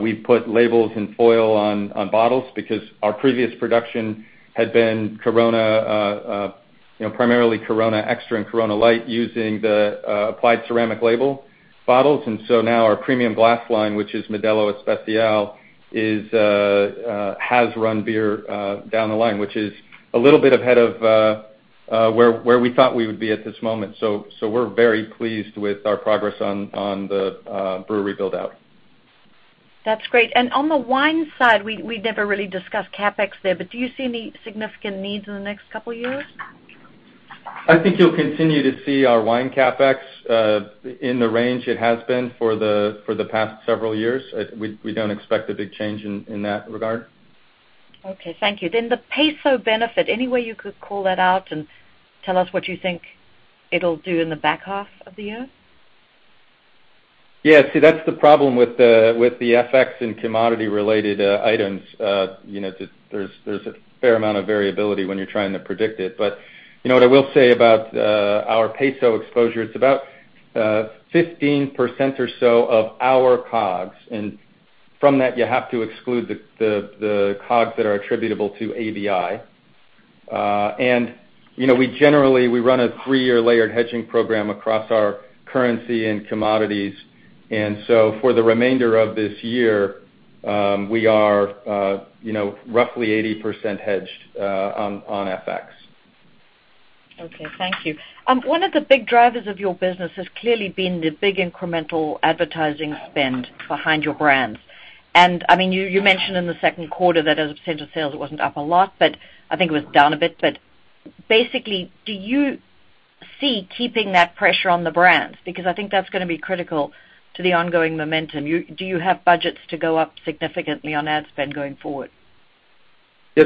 we've put labels and foil on bottles because our previous production had been Corona, primarily Corona Extra and Corona Light, using the applied ceramic label bottles. Now our premium glass line, which is Modelo Especial, has run beer down the line, which is a little bit ahead of where we thought we would be at this moment. We're very pleased with our progress on the brewery build-out. That's great. On the wine side, we never really discussed CapEx there, but do you see any significant needs in the next couple of years? I think you'll continue to see our wine CapEx in the range it has been for the past several years. We don't expect a big change in that regard. Okay, thank you. The peso benefit, any way you could call that out and tell us what you think it'll do in the back half of the year? Yeah. See, that's the problem with the FX and commodity-related items. There's a fair amount of variability when you're trying to predict it. You know what I will say about our peso exposure, it's about 15% or so of our COGS, and from that, you have to exclude the COGS that are attributable to ABI. We generally run a three-year layered hedging program across our currency and commodities. For the remainder of this year, we are roughly 80% hedged on FX. Okay, thank you. One of the big drivers of your business has clearly been the big incremental advertising spend behind your brands. You mentioned in the second quarter that as a percent of sales, it wasn't up a lot, but I think it was down a bit. Basically, do you see keeping that pressure on the brands? Because I think that's going to be critical to the ongoing momentum. Do you have budgets to go up significantly on ad spend going forward? Yeah.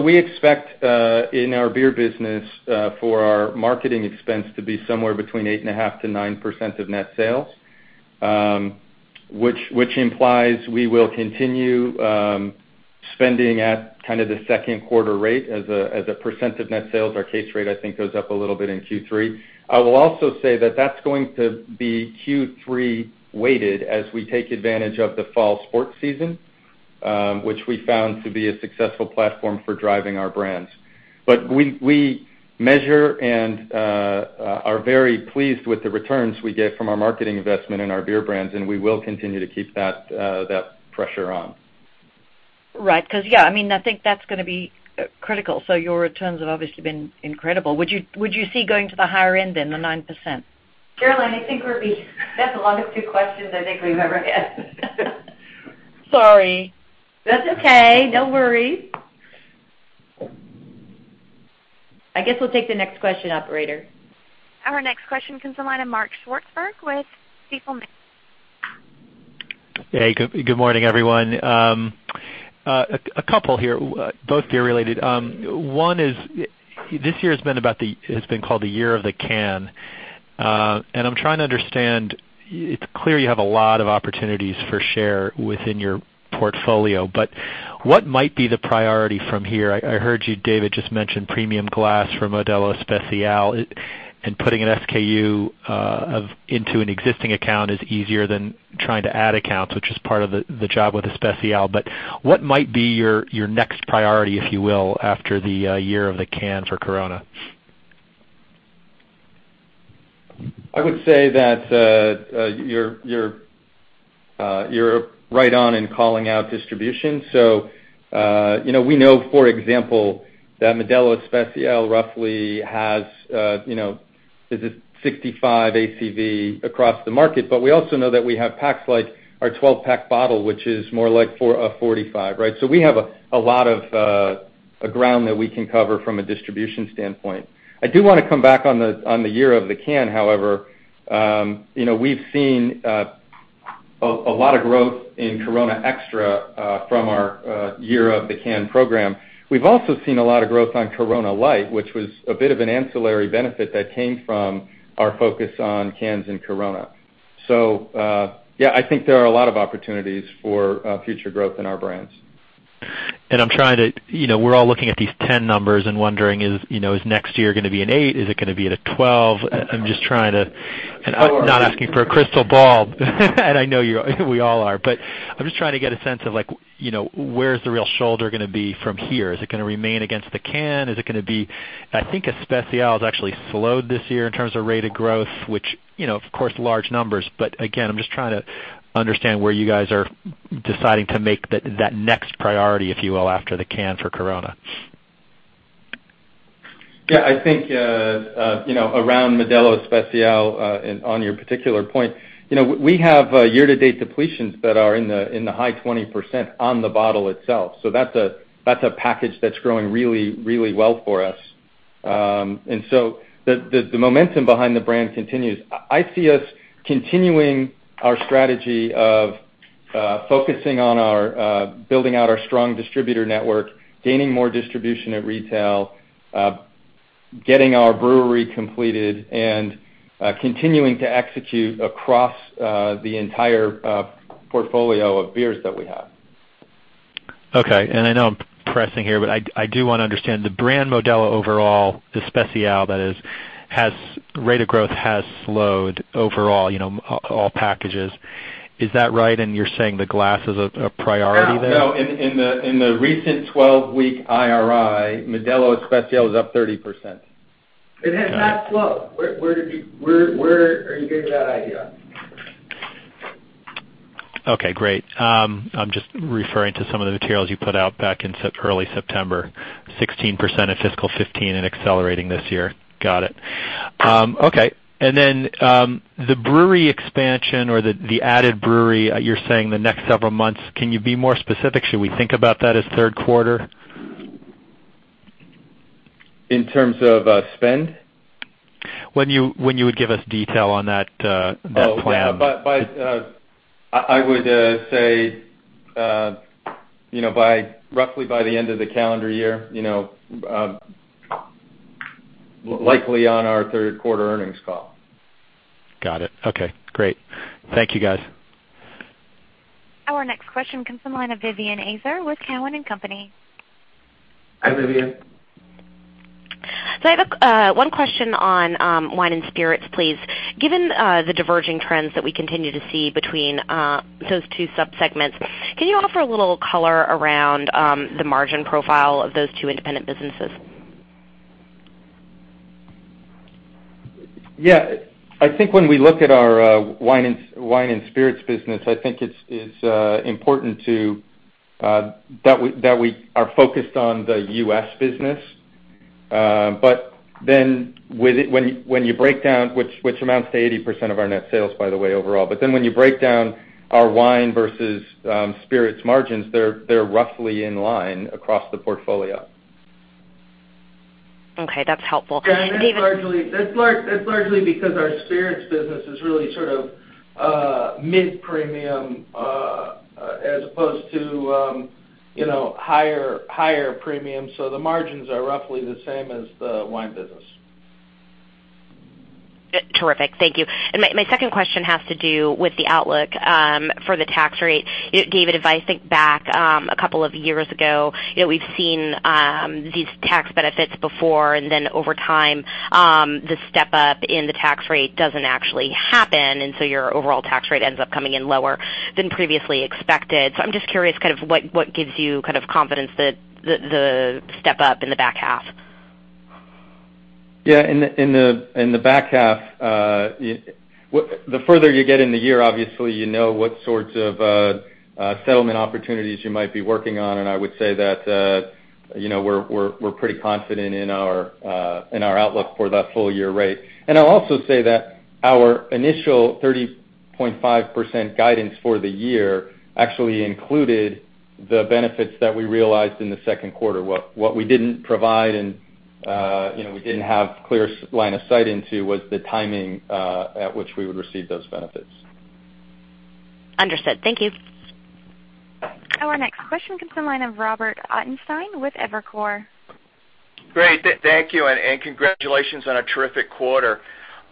We expect, in our beer business, for our marketing expense to be somewhere between 8.5%-9% of net sales, which implies we will continue spending at kind of the second quarter rate as a percent of net sales. Our case rate, I think, goes up a little bit in Q3. I will also say that that's going to be Q3 weighted as we take advantage of the fall sports season, which we found to be a successful platform for driving our brands. We measure and are very pleased with the returns we get from our marketing investment in our beer brands, and we will continue to keep that pressure on. Right. Because, yeah, I think that's going to be critical. Your returns have obviously been incredible. Would you see going to the higher end then, the 9%? Caroline, I think that's the longest two questions I think we've ever had. Sorry. That's okay. No worries. I guess we'll take the next question, operator. Our next question comes from the line of Mark Swartzberg with Stifel. Hey, good morning, everyone. A couple here, both beer-related. One is, this year has been called the year of the can, and I'm trying to understand. It's clear you have a lot of opportunities for share within your portfolio, what might be the priority from here? I heard you, David, just mention premium glass for Modelo Especial, and putting an SKU into an existing account is easier than trying to add accounts, which is part of the job with Especial. What might be your next priority, if you will, after the year of the can for Corona? I would say that you're right on in calling out distribution. We know, for example, that Modelo Especial roughly has 65 ACV across the market. We also know that we have packs like our 12-pack bottle, which is more like a 45, right. We have a lot of ground that we can cover from a distribution standpoint. I do want to come back on the year of the can, however. We've seen a lot of growth in Corona Extra from our year of the can program. We've also seen a lot of growth on Corona Light, which was a bit of an ancillary benefit that came from our focus on cans and Corona. Yeah, I think there are a lot of opportunities for future growth in our brands. We're all looking at these 10 numbers and wondering, is next year going to be an eight? Is it going to be at a 12? We all are. I'm not asking for a crystal ball. I know we all are. I'm just trying to get a sense of where's the real shoulder going to be from here. Is it going to remain against the can? I think Especial has actually slowed this year in terms of rate of growth, which, of course, large numbers. Again, I'm just trying to understand where you guys are deciding to make that next priority, if you will, after the can for Corona. Yeah, I think, around Modelo Especial, on your particular point, we have year-to-date depletions that are in the high 20% on the bottle itself. That's a package that's growing really well for us. The momentum behind the brand continues. I see us continuing our strategy of focusing on building out our strong distributor network, gaining more distribution at retail, getting our brewery completed, and continuing to execute across the entire portfolio of beers that we have. Okay. I know I'm pressing here, I do want to understand, the brand Modelo overall, Especial, that is, rate of growth has slowed overall, all packages. Is that right? You're saying the glass is a priority there? No. In the recent 12-week IRI, Modelo Especial is up 30%. It has not slowed. Where are you getting that idea? Okay, great. I'm just referring to some of the materials you put out back in early September, 16% in fiscal 2015 and accelerating this year. Got it. Okay. Then, the brewery expansion or the added brewery, you're saying the next several months. Can you be more specific? Should we think about that as third quarter? In terms of spend? When you would give us detail on that plan. I would say, roughly by the end of the calendar year. Likely on our third quarter earnings call. Got it. Okay, great. Thank you, guys. Our next question comes from the line of Vivien Azer with Cowen and Company. Hi, Vivien. I have one question on wine and spirits, please. Given the diverging trends that we continue to see between those two sub-segments, can you offer a little color around the margin profile of those two independent businesses? Yeah. I think when we look at our wine and spirits business, I think it's important that we are focused on the U.S. business, which amounts to 80% of our net sales, by the way, overall. When you break down our wine versus spirits margins, they're roughly in line across the portfolio. Okay, that's helpful. David- That's largely because our spirits business is really sort of mid-premium, as opposed to higher premium. The margins are roughly the same as the wine business. Terrific. Thank you. My second question has to do with the outlook for the tax rate. David, if I think back, a couple of years ago, we've seen these tax benefits before, over time, the step-up in the tax rate doesn't actually happen, your overall tax rate ends up coming in lower than previously expected. I'm just curious, what gives you confidence that the step-up in the back half? Yeah. In the back half, the further you get in the year, obviously, you know what sorts of settlement opportunities you might be working on. I'll also say that our initial 30.5% guidance for the year actually included the benefits that we realized in the second quarter. What we didn't provide, and we didn't have clear line of sight into, was the timing at which we would receive those benefits. Understood. Thank you. Our next question comes from the line of Robert Ottenstein with Evercore. Great. Thank you, congratulations on a terrific quarter.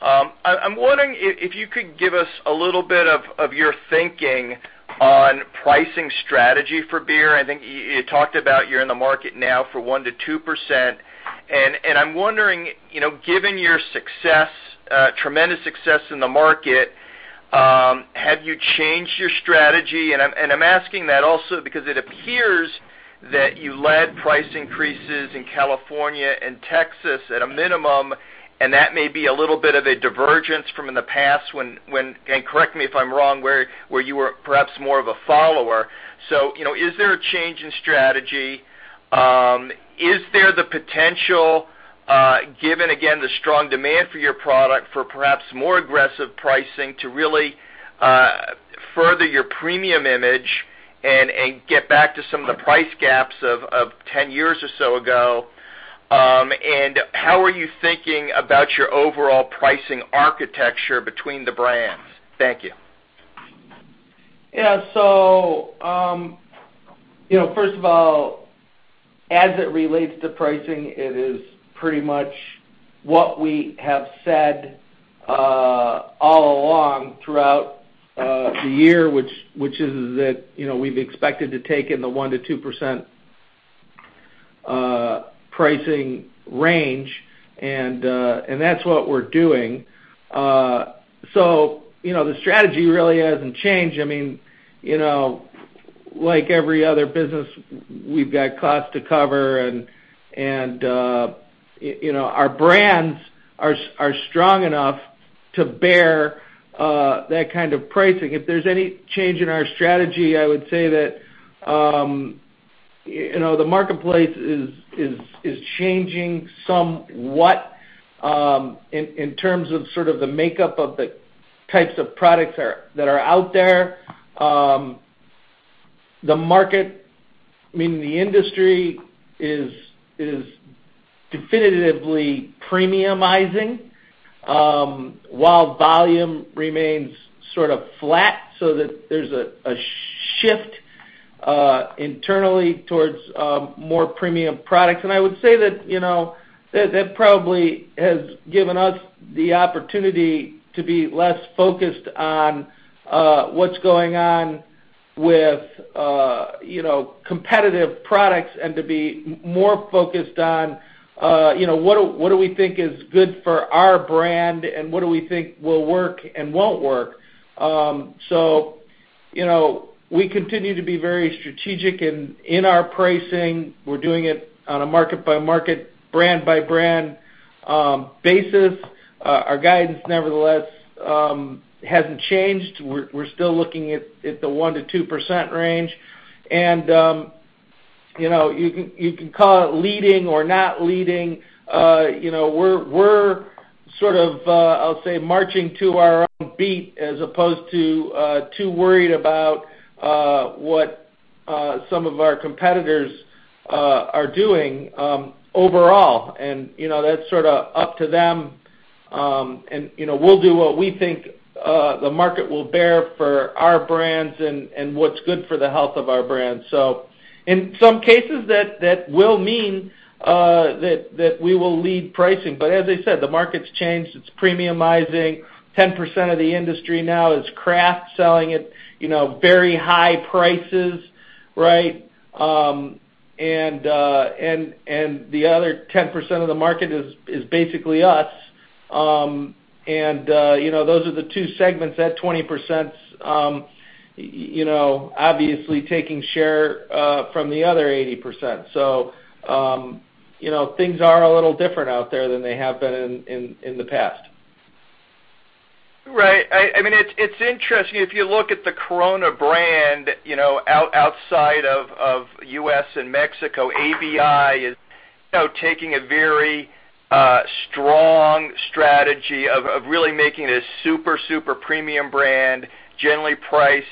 I'm wondering if you could give us a little bit of your thinking on pricing strategy for beer. I think you talked about you're in the market now for 1% to 2%. I'm wondering, given your tremendous success in the market, have you changed your strategy? I'm asking that also because it appears that you led price increases in California and Texas at a minimum, and that may be a little bit of a divergence from in the past when, and correct me if I'm wrong, where you were perhaps more of a follower. Is there a change in strategy? Is there the potential, given again, the strong demand for your product, for perhaps more aggressive pricing to really further your premium image and get back to some of the price gaps of 10 years or so ago? How are you thinking about your overall pricing architecture between the brands? Thank you. First of all, as it relates to pricing, it is pretty much what we have said all along throughout the year, which is that we've expected to take in the 1%-2% pricing range, and that's what we're doing. The strategy really hasn't changed. Like every other business, we've got costs to cover, and our brands are strong enough to bear that kind of pricing. If there's any change in our strategy, I would say that the marketplace is changing somewhat in terms of sort of the makeup of the types of products that are out there. The market, meaning the industry, is definitively premiumizing while volume remains sort of flat so that there's a shift internally towards more premium products. I would say that probably has given us the opportunity to be less focused on what's going on with competitive products and to be more focused on what do we think is good for our brand and what do we think will work and won't work. We continue to be very strategic in our pricing. We're doing it on a market-by-market, brand-by-brand basis. Our guidance nevertheless hasn't changed. We're still looking at the 1%-2% range. You can call it leading or not leading. We're sort of, I'll say, marching to our own beat as opposed to too worried about what some of our competitors are doing overall. That's sort of up to them. We'll do what we think the market will bear for our brands and what's good for the health of our brands. In some cases, that will mean that we will lead pricing. As I said, the market's changed. It's premiumizing. 10% of the industry now is craft, selling at very high prices. The other 10% of the market is basically us. Those are the two segments. That 20% obviously taking share from the other 80%. Things are a little different out there than they have been in the past. It's interesting. If you look at the Corona brand outside of U.S. and Mexico, ABI is taking a very strong strategy of really making it a super premium brand, generally priced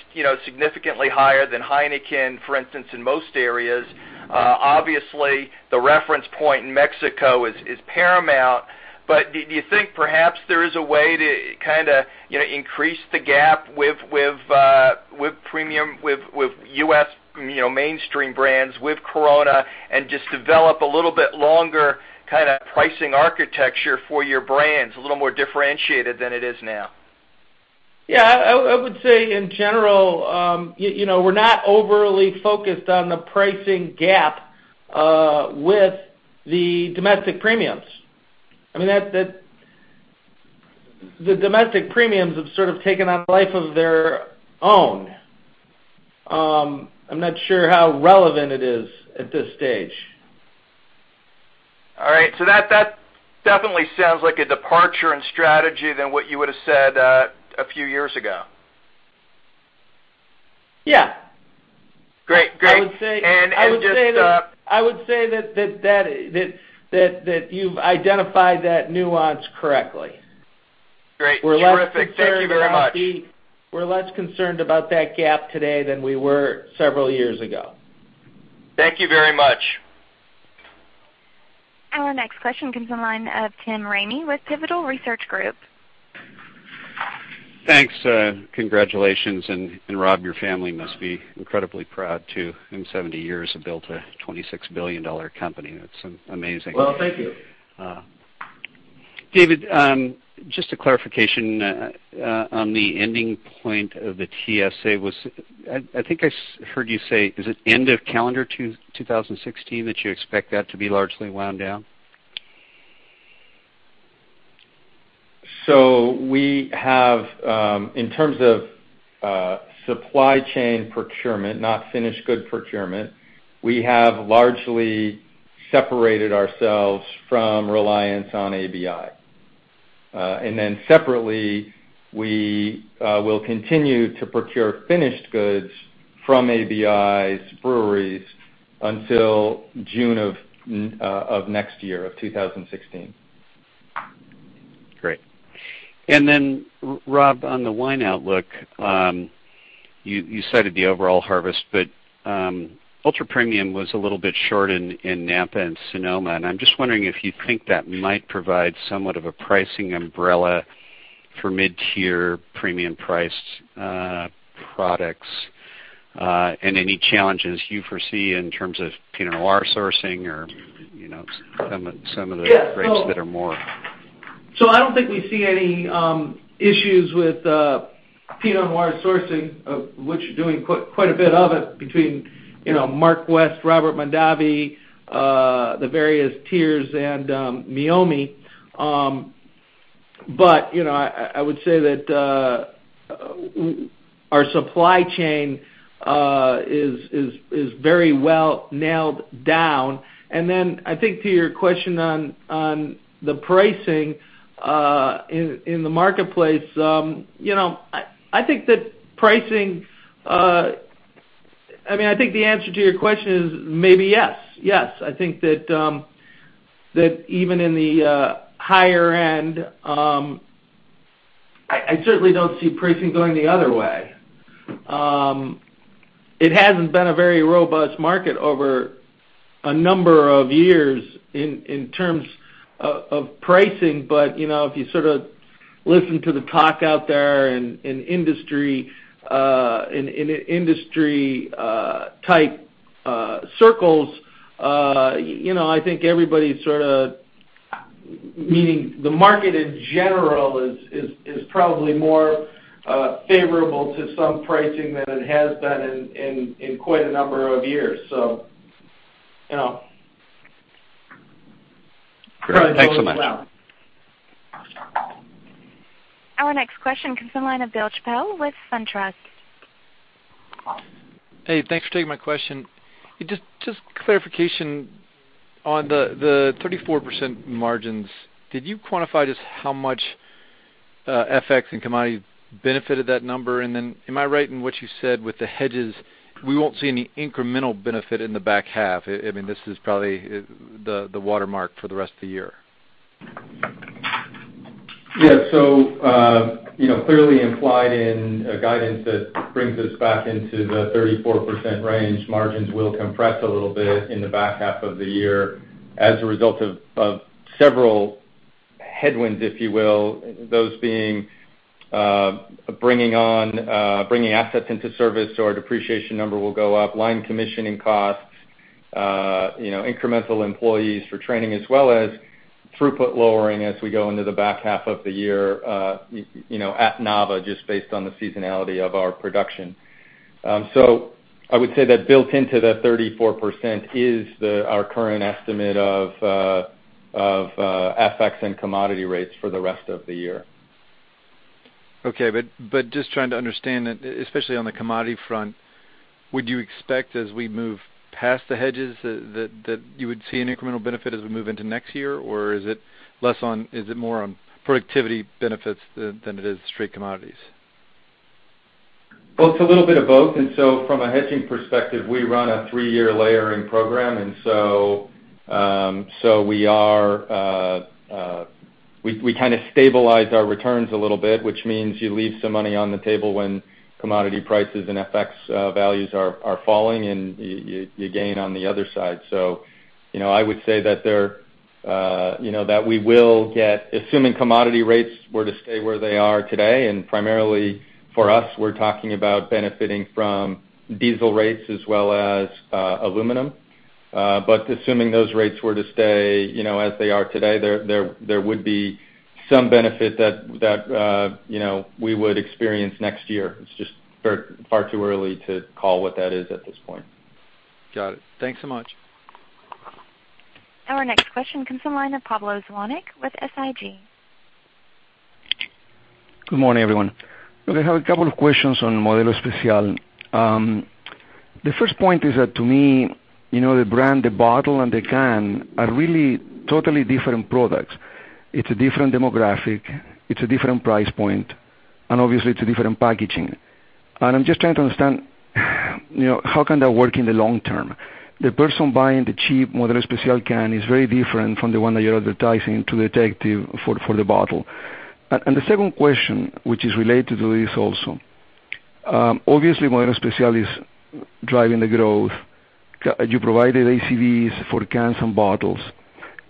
significantly higher than Heineken, for instance, in most areas. Obviously, the reference point in Mexico is paramount. Do you think perhaps there is a way to kind of increase the gap with U.S. mainstream brands, with Corona, and just develop a little bit longer kind of pricing architecture for your brands, a little more differentiated than it is now? Yeah. I would say in general we're not overly focused on the pricing gap with the domestic premiums. The domestic premiums have sort of taken on a life of their own. I'm not sure how relevant it is at this stage. All right. That definitely sounds like a departure in strategy than what you would've said a few years ago. Yeah. Great. I would say that you've identified that nuance correctly. Great. Terrific. Thank you very much. We're less concerned about that gap today than we were several years ago. Thank you very much. Our next question comes from the line of Tim Ramey with Pivotal Research Group. Thanks. Congratulations. Rob, your family must be incredibly proud, too. In 70 years, you've built a $26 billion company. That's amazing. Well, thank you. David, just a clarification on the ending point of the TSA. I think I heard you say, is it end of calendar 2016 that you expect that to be largely wound down? We have, in terms of supply chain procurement, not finished good procurement, we have largely separated ourselves from reliance on ABI. Separately, we will continue to procure finished goods from ABI's breweries until June of next year, of 2016. Great. Rob, on the wine outlook, you cited the overall harvest. Ultra premium was a little bit short in Napa and Sonoma. I'm just wondering if you think that might provide somewhat of a pricing umbrella for mid-tier premium priced products. Any challenges you foresee in terms of Pinot Noir sourcing or some of the- Yeah grapes that are more. I don't think we see any issues with Pinot Noir sourcing, which doing quite a bit of it between Mark West, Robert Mondavi, the various tiers, and Meiomi. I would say that our supply chain is very well nailed down. I think to your question on the pricing, in the marketplace, I think the answer to your question is maybe yes. I think that even in the higher end, I certainly don't see pricing going the other way. It hasn't been a very robust market over a number of years in terms of pricing. If you listen to the talk out there in industry type circles, I think everybody's sort of Meaning the market in general is probably more favorable to some pricing than it has been in quite a number of years. Probably holding well. Great. Thanks so much. Our next question comes from the line of Bill Chappell with SunTrust. Hey, thanks for taking my question. Just clarification on the 34% margins. Did you quantify just how much FX and commodity benefited that number? Am I right in what you said with the hedges, we won't see any incremental benefit in the back half? This is probably the watermark for the rest of the year. Yeah. Clearly implied in a guidance that brings us back into the 34% range, margins will compress a little bit in the back half of the year as a result of several headwinds, if you will. Those being, bringing assets into service, our depreciation number will go up, line commissioning costs, incremental employees for training as well as throughput lowering as we go into the back half of the year at Nava, just based on the seasonality of our production. I would say that built into the 34% is our current estimate of FX and commodity rates for the rest of the year. Okay, just trying to understand, especially on the commodity front, would you expect as we move past the hedges, that you would see an incremental benefit as we move into next year? Or is it more on productivity benefits than it is straight commodities? Well, it's a little bit of both. From a hedging perspective, we run a three-year layering program, we kind of stabilize our returns a little bit, which means you leave some money on the table when commodity prices and FX values are falling and you gain on the other side. I would say that we will get, assuming commodity rates were to stay where they are today, and primarily for us, we're talking about benefiting from diesel rates as well as aluminum. Assuming those rates were to stay as they are today, there would be some benefit that we would experience next year. It's just far too early to call what that is at this point. Got it. Thanks so much. Our next question comes from the line of Pablo Zuanic with SIG. Good morning, everyone. Look, I have a couple of questions on Modelo Especial. The first point is that to me, the brand, the bottle, and the can are really totally different products. It's a different demographic, it's a different price point, and obviously, it's a different packaging. I'm just trying to understand, how can that work in the long term? The person buying the cheap Modelo Especial can is very different from the one that you're advertising to the detective for the bottle. The second question, which is related to this also. Obviously, Modelo Especial is driving the growth. You provided ACVs for cans and bottles.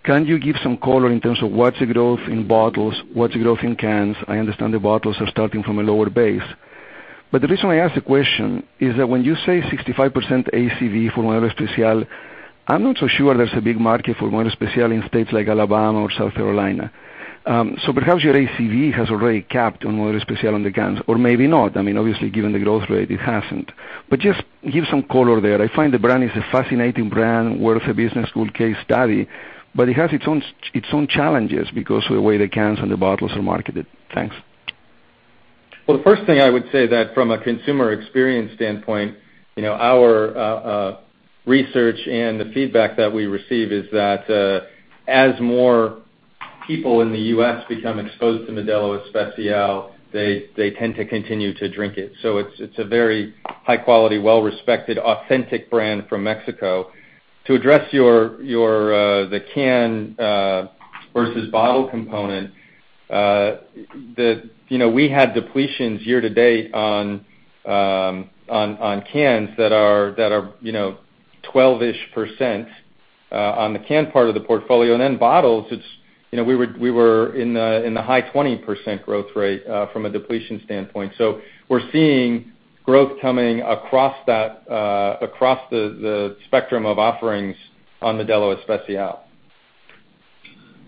Can you give some color in terms of what's the growth in bottles? What's the growth in cans? I understand the bottles are starting from a lower base. The reason I ask the question is that when you say 65% ACV for Modelo Especial, I'm not so sure there's a big market for Modelo Especial in states like Alabama or South Carolina. Perhaps your ACV has already capped on Modelo Especial on the cans, or maybe not. Obviously, given the growth rate, it hasn't. Just give some color there. I find the brand is a fascinating brand, worth a business school case study, but it has its own challenges because of the way the cans and the bottles are marketed. Thanks. Well, the first thing I would say that from a consumer experience standpoint, our research and the feedback that we receive is that, as more people in the U.S. become exposed to Modelo Especial, they tend to continue to drink it. It's a very high-quality, well-respected, authentic brand from Mexico. To address the can versus bottle component, we had depletions year-to-date on cans that are 12-ish% on the can part of the portfolio. Bottles, we were in the high 20% growth rate from a depletion standpoint. We're seeing growth coming across the spectrum of offerings on Modelo Especial.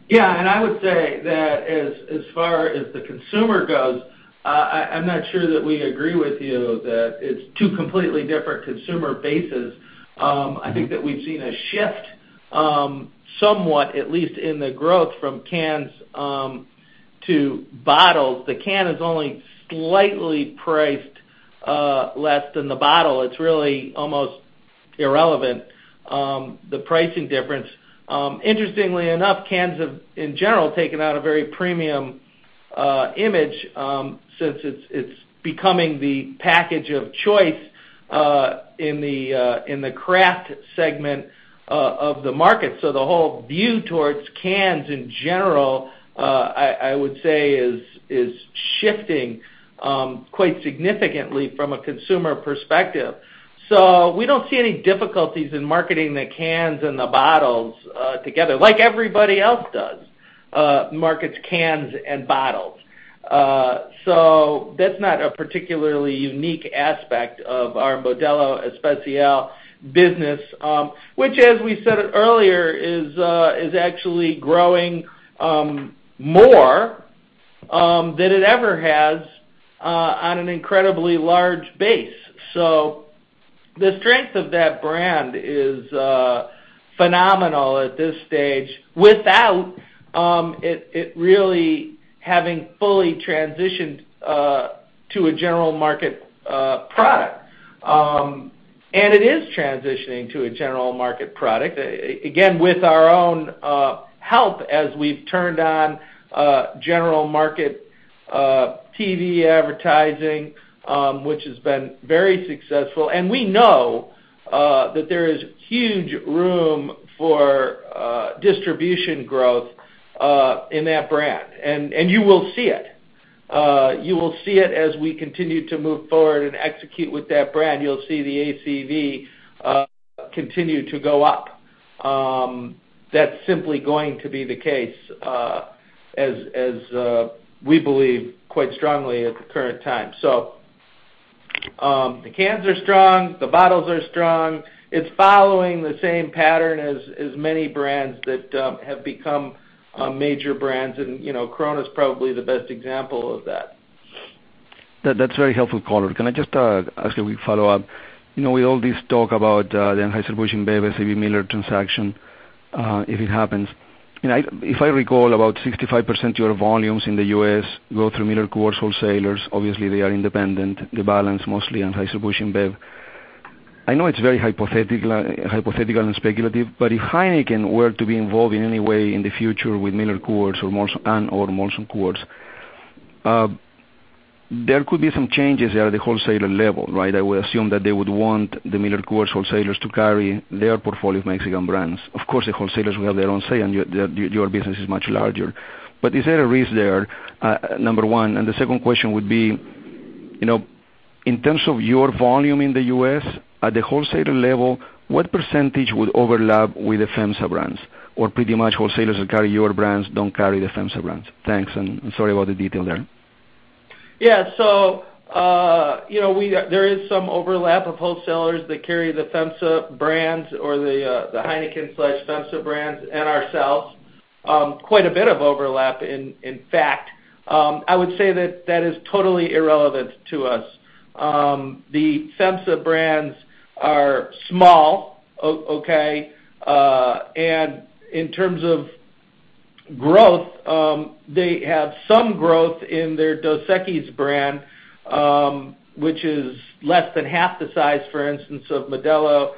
Yeah, I would say that as far as the consumer goes, I'm not sure that we agree with you that it's two completely different consumer bases. I think that we've seen a shift somewhat, at least in the growth from cans to bottles. The can is only slightly priced less than the bottle. It's really almost irrelevant, the pricing difference. Interestingly enough, cans have, in general, taken out a very premium image, since it's becoming the package of choice in the craft segment of the market. The whole view towards cans in general, I would say, is shifting quite significantly from a consumer perspective. We don't see any difficulties in marketing the cans and the bottles together, like everybody else does, markets cans and bottles. That's not a particularly unique aspect of our Modelo Especial business, which, as we said it earlier, is actually growing more than it ever has on an incredibly large base. The strength of that brand is phenomenal at this stage, without it really having fully transitioned to a general market product. It is transitioning to a general market product, again, with our own help as we've turned on general market TV advertising, which has been very successful. We know that there is huge room for distribution growth in that brand, and you will see it. You will see it as we continue to move forward and execute with that brand. You'll see the ACV continue to go up. That's simply going to be the case as we believe quite strongly at the current time. The cans are strong, the bottles are strong. It's following the same pattern as many brands that have become major brands, and Corona is probably the best example of that. That's very helpful color. Can I just ask you a quick follow-up? With all this talk about the Anheuser-Busch InBev, SABMiller transaction, if it happens, if I recall, about 65% of your volumes in the U.S. go through MillerCoors wholesalers. Obviously, they are independent. The balance mostly Anheuser-Busch InBev. I know it's very hypothetical and speculative, but if Heineken were to be involved in any way in the future with MillerCoors and/or Molson Coors, there could be some changes there at the wholesaler level, right? I would assume that they would want the MillerCoors wholesalers to carry their portfolio of Mexican brands. Of course, the wholesalers will have their own say, and your business is much larger. Is there a risk there, number one? The second question would be, in terms of your volume in the U.S. at the wholesaler level, what percentage would overlap with the FEMSA brands? Pretty much wholesalers that carry your brands don't carry the FEMSA brands? Thanks, and sorry about the detail there. Yeah. There is some overlap of wholesalers that carry the FEMSA brands or the Heineken/FEMSA brands and ourselves. Quite a bit of overlap, in fact. I would say that that is totally irrelevant to us. The FEMSA brands are small, okay? In terms of Growth, they have some growth in their Dos Equis brand, which is less than half the size, for instance, of Modelo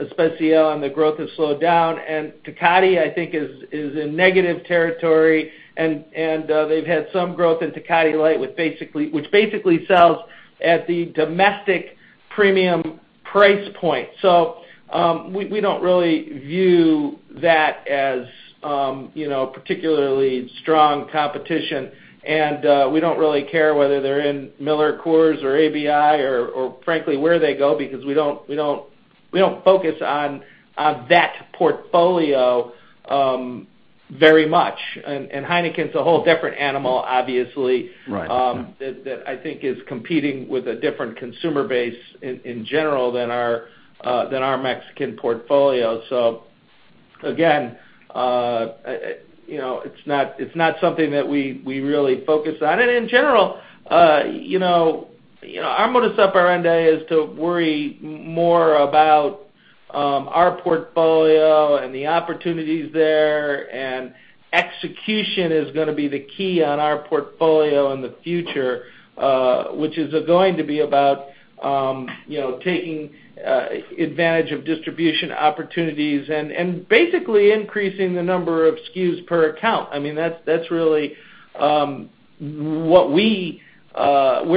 Especial, and the growth has slowed down. Tecate, I think, is in negative territory, and they've had some growth in Tecate Light, which basically sells at the domestic premium price point. We don't really view that as particularly strong competition, and we don't really care whether they're in MillerCoors or ABI or frankly, where they go, because we don't focus on that portfolio very much. Heineken's a whole different animal, obviously. Right that I think is competing with a different consumer base in general than our Mexican portfolio. Again, it's not something that we really focus on. In general, our modus operandi is to worry more about our portfolio and the opportunities there, and execution is gonna be the key on our portfolio in the future. Which is going to be about taking advantage of distribution opportunities and basically increasing the number of SKUs per account. That's really where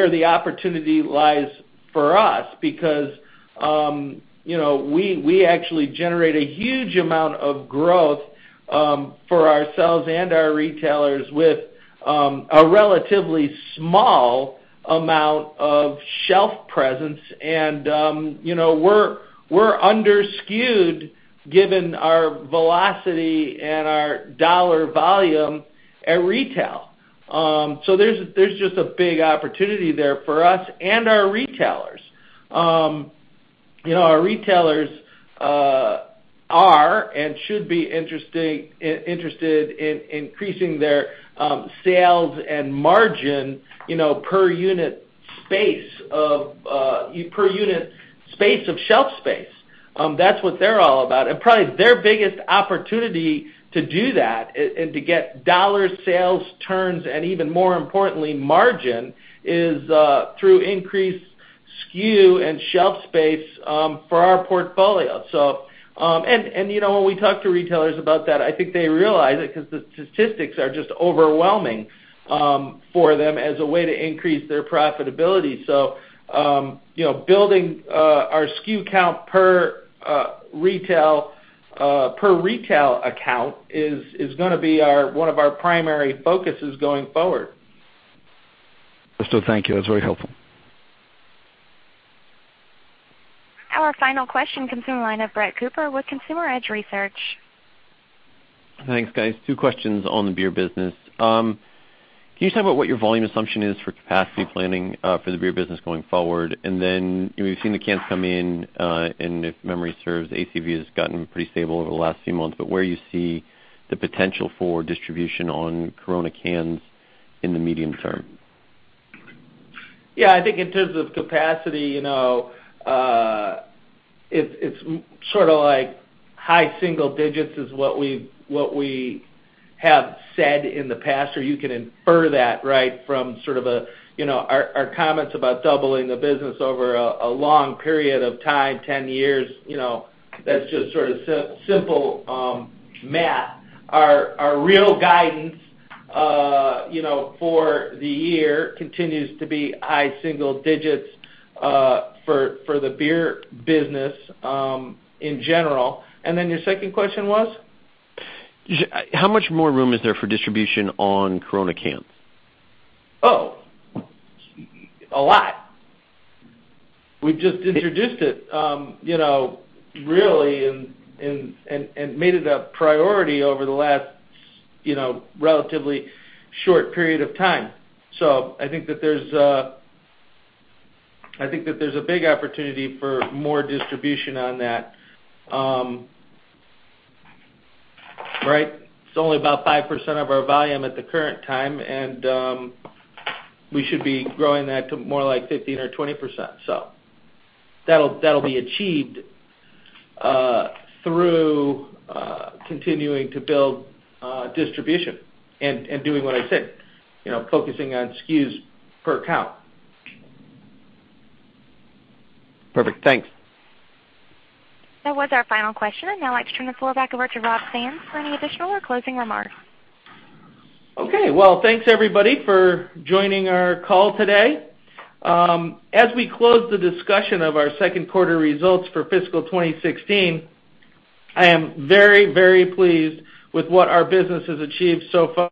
the opportunity lies for us, because we actually generate a huge amount of growth for ourselves and our retailers with a relatively small amount of shelf presence. We're under-SKU'd, given our velocity and our dollar volume at retail. There's just a big opportunity there for us and our retailers. Our retailers are and should be interested in increasing their sales and margin per unit space of shelf space. That's what they're all about. Probably their biggest opportunity to do that, and to get dollar sales turns and even more importantly, margin, is through increased SKU and shelf space for our portfolio. When we talk to retailers about that, I think they realize it because the statistics are just overwhelming for them as a way to increase their profitability. Building our SKU count per retail account is gonna be one of our primary focuses going forward. Thank you. That's very helpful. Our final question comes from the line of Brett Cooper with Consumer Edge Research. Thanks, guys. Two questions on the beer business. Can you talk about what your volume assumption is for capacity planning for the beer business going forward? We've seen the cans come in, and if memory serves, ACV has gotten pretty stable over the last few months, but where you see the potential for distribution on Corona cans in the medium term? Yeah, I think in terms of capacity, it's sort of like high single digits is what we have said in the past, or you can infer that from our comments about doubling the business over a long period of time, 10 years. That's just sort of simple math. Our real guidance for the year continues to be high single digits for the beer business in general. Your second question was? How much more room is there for distribution on Corona cans? Oh, a lot. We've just introduced it really and made it a priority over the last relatively short period of time. I think that there's a big opportunity for more distribution on that. It's only about 5% of our volume at the current time, and we should be growing that to more like 15 or 20%. That'll be achieved through continuing to build distribution and doing what I said, focusing on SKUs per account. Perfect. Thanks. That was our final question. I'd now like to turn the floor back over to Rob Sands for any additional or closing remarks. Okay. Well, thanks everybody for joining our call today. As we close the discussion of our second quarter results for fiscal 2016, I am very, very pleased with what our business has achieved so far.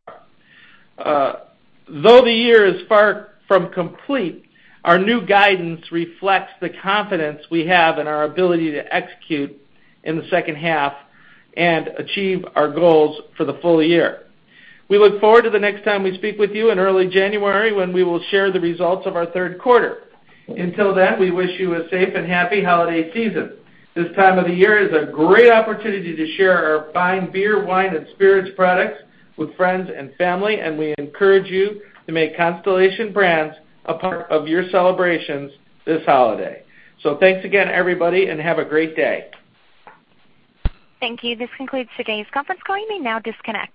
Though the year is far from complete, our new guidance reflects the confidence we have in our ability to execute in the second half and achieve our goals for the full year. We look forward to the next time we speak with you in early January, when we will share the results of our third quarter. Until then, we wish you a safe and happy holiday season. This time of the year is a great opportunity to share our fine beer, wine, and spirits products with friends and family, and we encourage you to make Constellation Brands a part of your celebrations this holiday. Thanks again, everybody, and have a great day. Thank you. This concludes today's conference call. You may now disconnect.